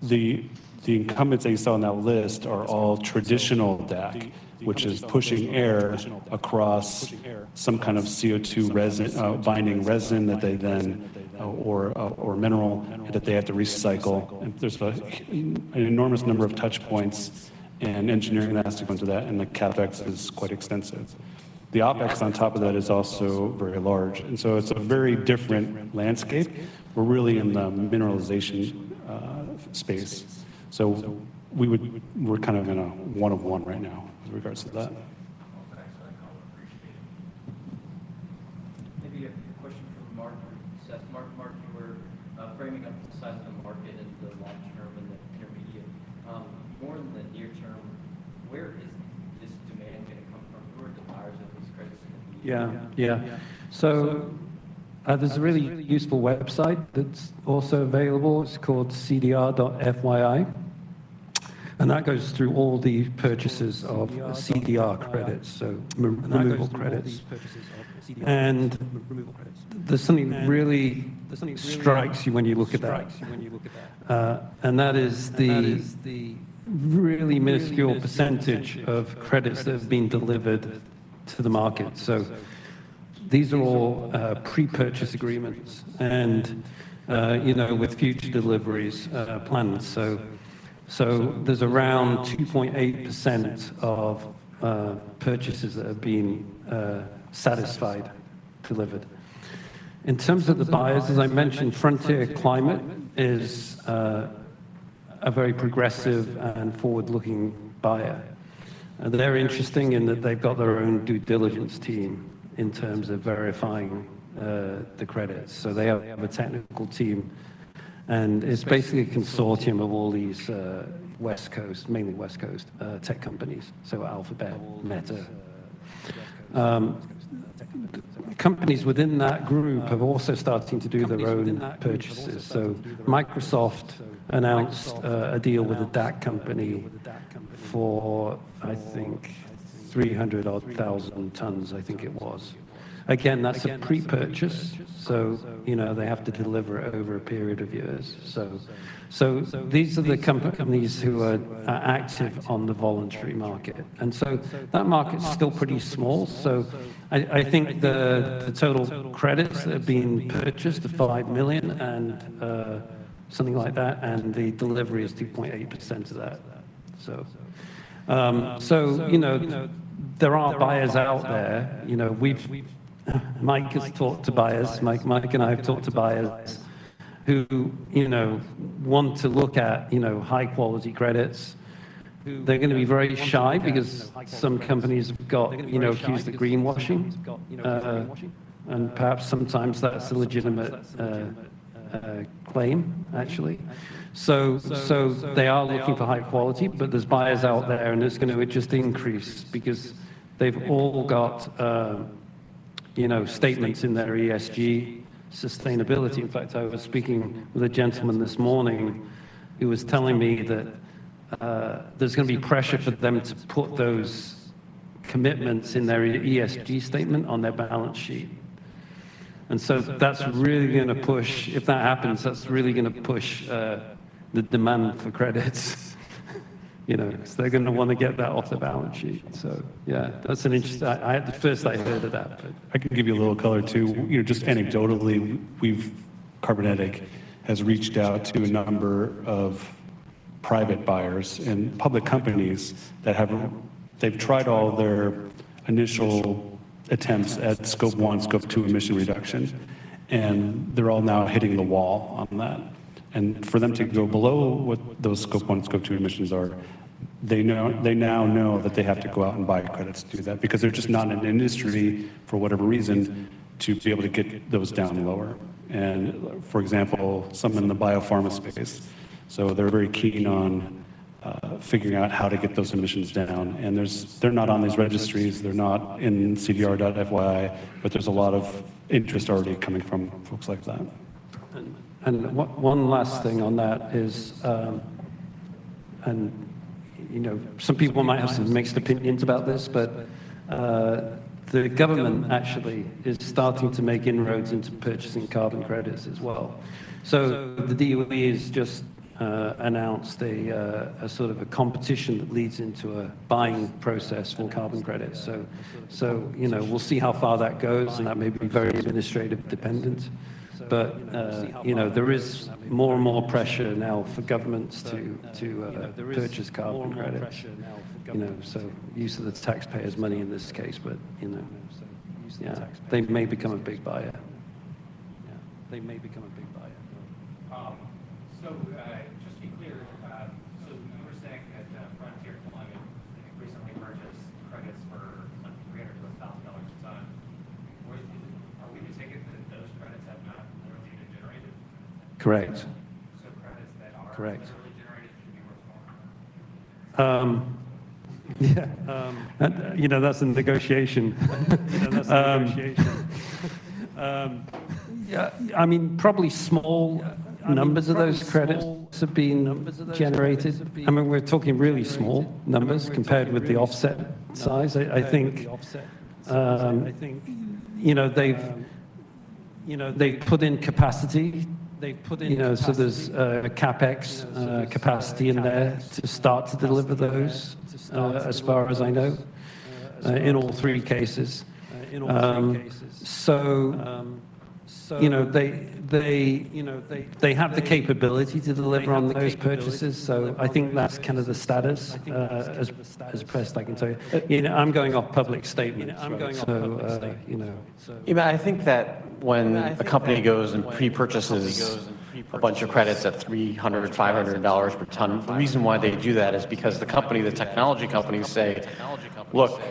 the, the incumbents that you saw on that list are all traditional DAC, which is pushing air across some kind of CO2 resin, binding resin, that they then... or, or mineral that they have to recycle. And there's an enormous number of touch points and engineering that has to go into that, and the CapEx is quite extensive. The OpEx on top of that is also very large, and so it's a very different landscape. We're really in the mineralization space. So we're kind of in a one of one right now in regards to that. Well, thanks. I appreciate it. Maybe a question for Mark or Seth. Mark, Mark, you were framing up the size of the market in the long term and the intermediate. More in the near term, where is this demand going to come from? Who are the buyers of these credits going to be? Yeah. Yeah. So, there's a really useful website that's also available, it's called cdr.fyi. And that goes through all the purchases of CDR credits, so removal credits. And there's something really strikes you when you look at that, and that is the really minuscule percentage of credits that have been delivered to the market. So these are all, pre-purchase agreements and, you know, with future deliveries, planned. So, there's around 2.8% of, purchases that have been, satisfied delivered. In terms of the buyers, as I mentioned, Frontier Climate is, a very progressive and forward-looking buyer. They're interesting in that they've got their own due diligence team in terms of verifying, the credits. So they have a technical team, and it's basically a consortium of all these, West Coast, mainly West Coast, tech companies, so Alphabet, Meta. Companies within that group have also starting to do their own purchases. So Microsoft announced a deal with a DAC company for, I think, 300-odd thousand tons, I think it was. Again, that's a pre-purchase, so, you know, they have to deliver it over a period of years. So these are the companies who are active on the voluntary market. And so that market's still pretty small. So I think the total credits that have been purchased, the 5 million and something like that, and the delivery is 2.8% of that. So you know, there are buyers out there. You know, we've Mike has talked to buyers. Mike and I have talked to buyers who, you know, want to look at, you know, high-quality credits. They're going to be very shy because some companies have got, you know, accused of greenwashing, and perhaps sometimes that's a legitimate claim, actually. So, they are looking for high quality, but there's buyers out there, and it's going to just increase because they've all got, you know, statements in their ESG sustainability. In fact, I was speaking with a gentleman this morning who was telling me that, there's going to be pressure for them to put those commitments in their ESG statement on their balance sheet. And so that's really gonna push... If that happens, that's really gonna push, the demand for credits, you know, 'cause they're gonna wanna get that off the balance sheet. So yeah, that's an interest-- I had... The first I heard of that, but- I can give you a little color, too. You know, just anecdotally, Karbonetiq has reached out to a number of private buyers and public companies that have... They've tried all their initial attempts at scope one, scope two emission reduction, and they're all now hitting the wall on that. And for them to go below what those scope one, scope two emissions are, they know-- they now know that they have to go out and buy credits to do that, because they're just not in an industry, for whatever reason, to be able to get those down lower. And for example, some in the biopharma space, so they're very keen on figuring out how to get those emissions down. And there's-- they're not on these registries, they're not in cdr.fyi, but there's a lot of interest already coming from folks like that. And one last thing on that is... And, you know, some people might have some mixed opinions about this, but the government actually is starting to make inroads into purchasing carbon credits as well. So the DOE has just announced a sort of a competition that leads into a buying process for carbon credits. So, you know, we'll see how far that goes, and that may be very administrative dependent. But, you know, there is more and more pressure now for governments to purchase carbon credits. You know, so use of the taxpayers' money in this case, but, you know, yeah, they may become a big buyer... they may become a big buyer, though. Just to be clear, so you were saying that Frontier recently purchased credits for like $300-$1,000 a ton. Are we to take it that those credits have not been generated? Correct. So credits that are- Yeah, you know, that's in negotiation. Yeah, I mean, probably small numbers of those credits have been generated. I mean, we're talking really small numbers compared with the offset size. I think, you know, they've, you know, they put in capacity, you know, so there's a CapEx capacity in there to start to deliver those, as far as I know, in all three cases. So, you know, they have the capability to deliver on those purchases, so I think that's kind of the status, as best as I can tell you. You know, I'm going off public statements, right? So, you know... Yeah, I think that when a company goes and pre-purchases a bunch of credits at $300-$500 per ton, the reason why they do that is because the company, the technology companies say, "Look,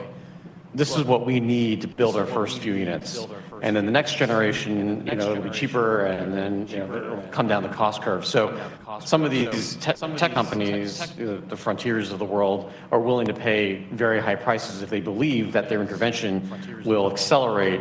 this is what we need to build our first few units, and then the next generation, you know, it'll be cheaper and then, you know, come down the cost curve." So some of these tech companies, the Frontiers of the world, are willing to pay very high prices if they believe that their intervention will accelerate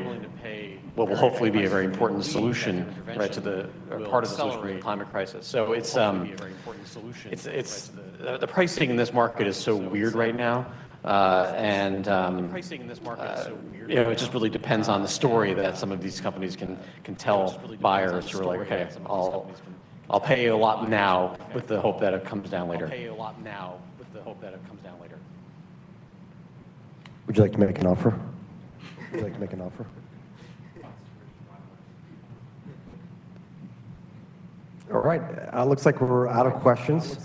what will hopefully be a very important solution, right, to the, or part of the solution to the climate crisis. So it's, it's, it's... The pricing in this market is so weird right now, and it just really depends on the story that some of these companies can tell buyers who are like, "Hey, I'll pay you a lot now with the hope that it comes down later. Would you like to make an offer? Would you like to make an offer? All right, looks like we're out of questions.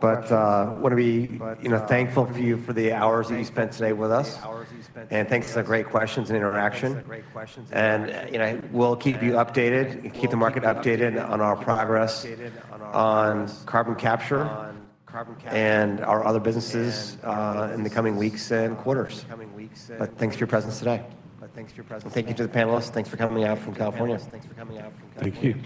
But wanna be, you know, thankful to you for the hours that you spent today with us, and thanks for the great questions and interaction. And, you know, we'll keep you updated, keep the market updated on our progress on carbon capture and our other businesses, in the coming weeks and quarters. But thanks for your presence today. And thank you to the panelists. Thanks for coming out from California. Thank you.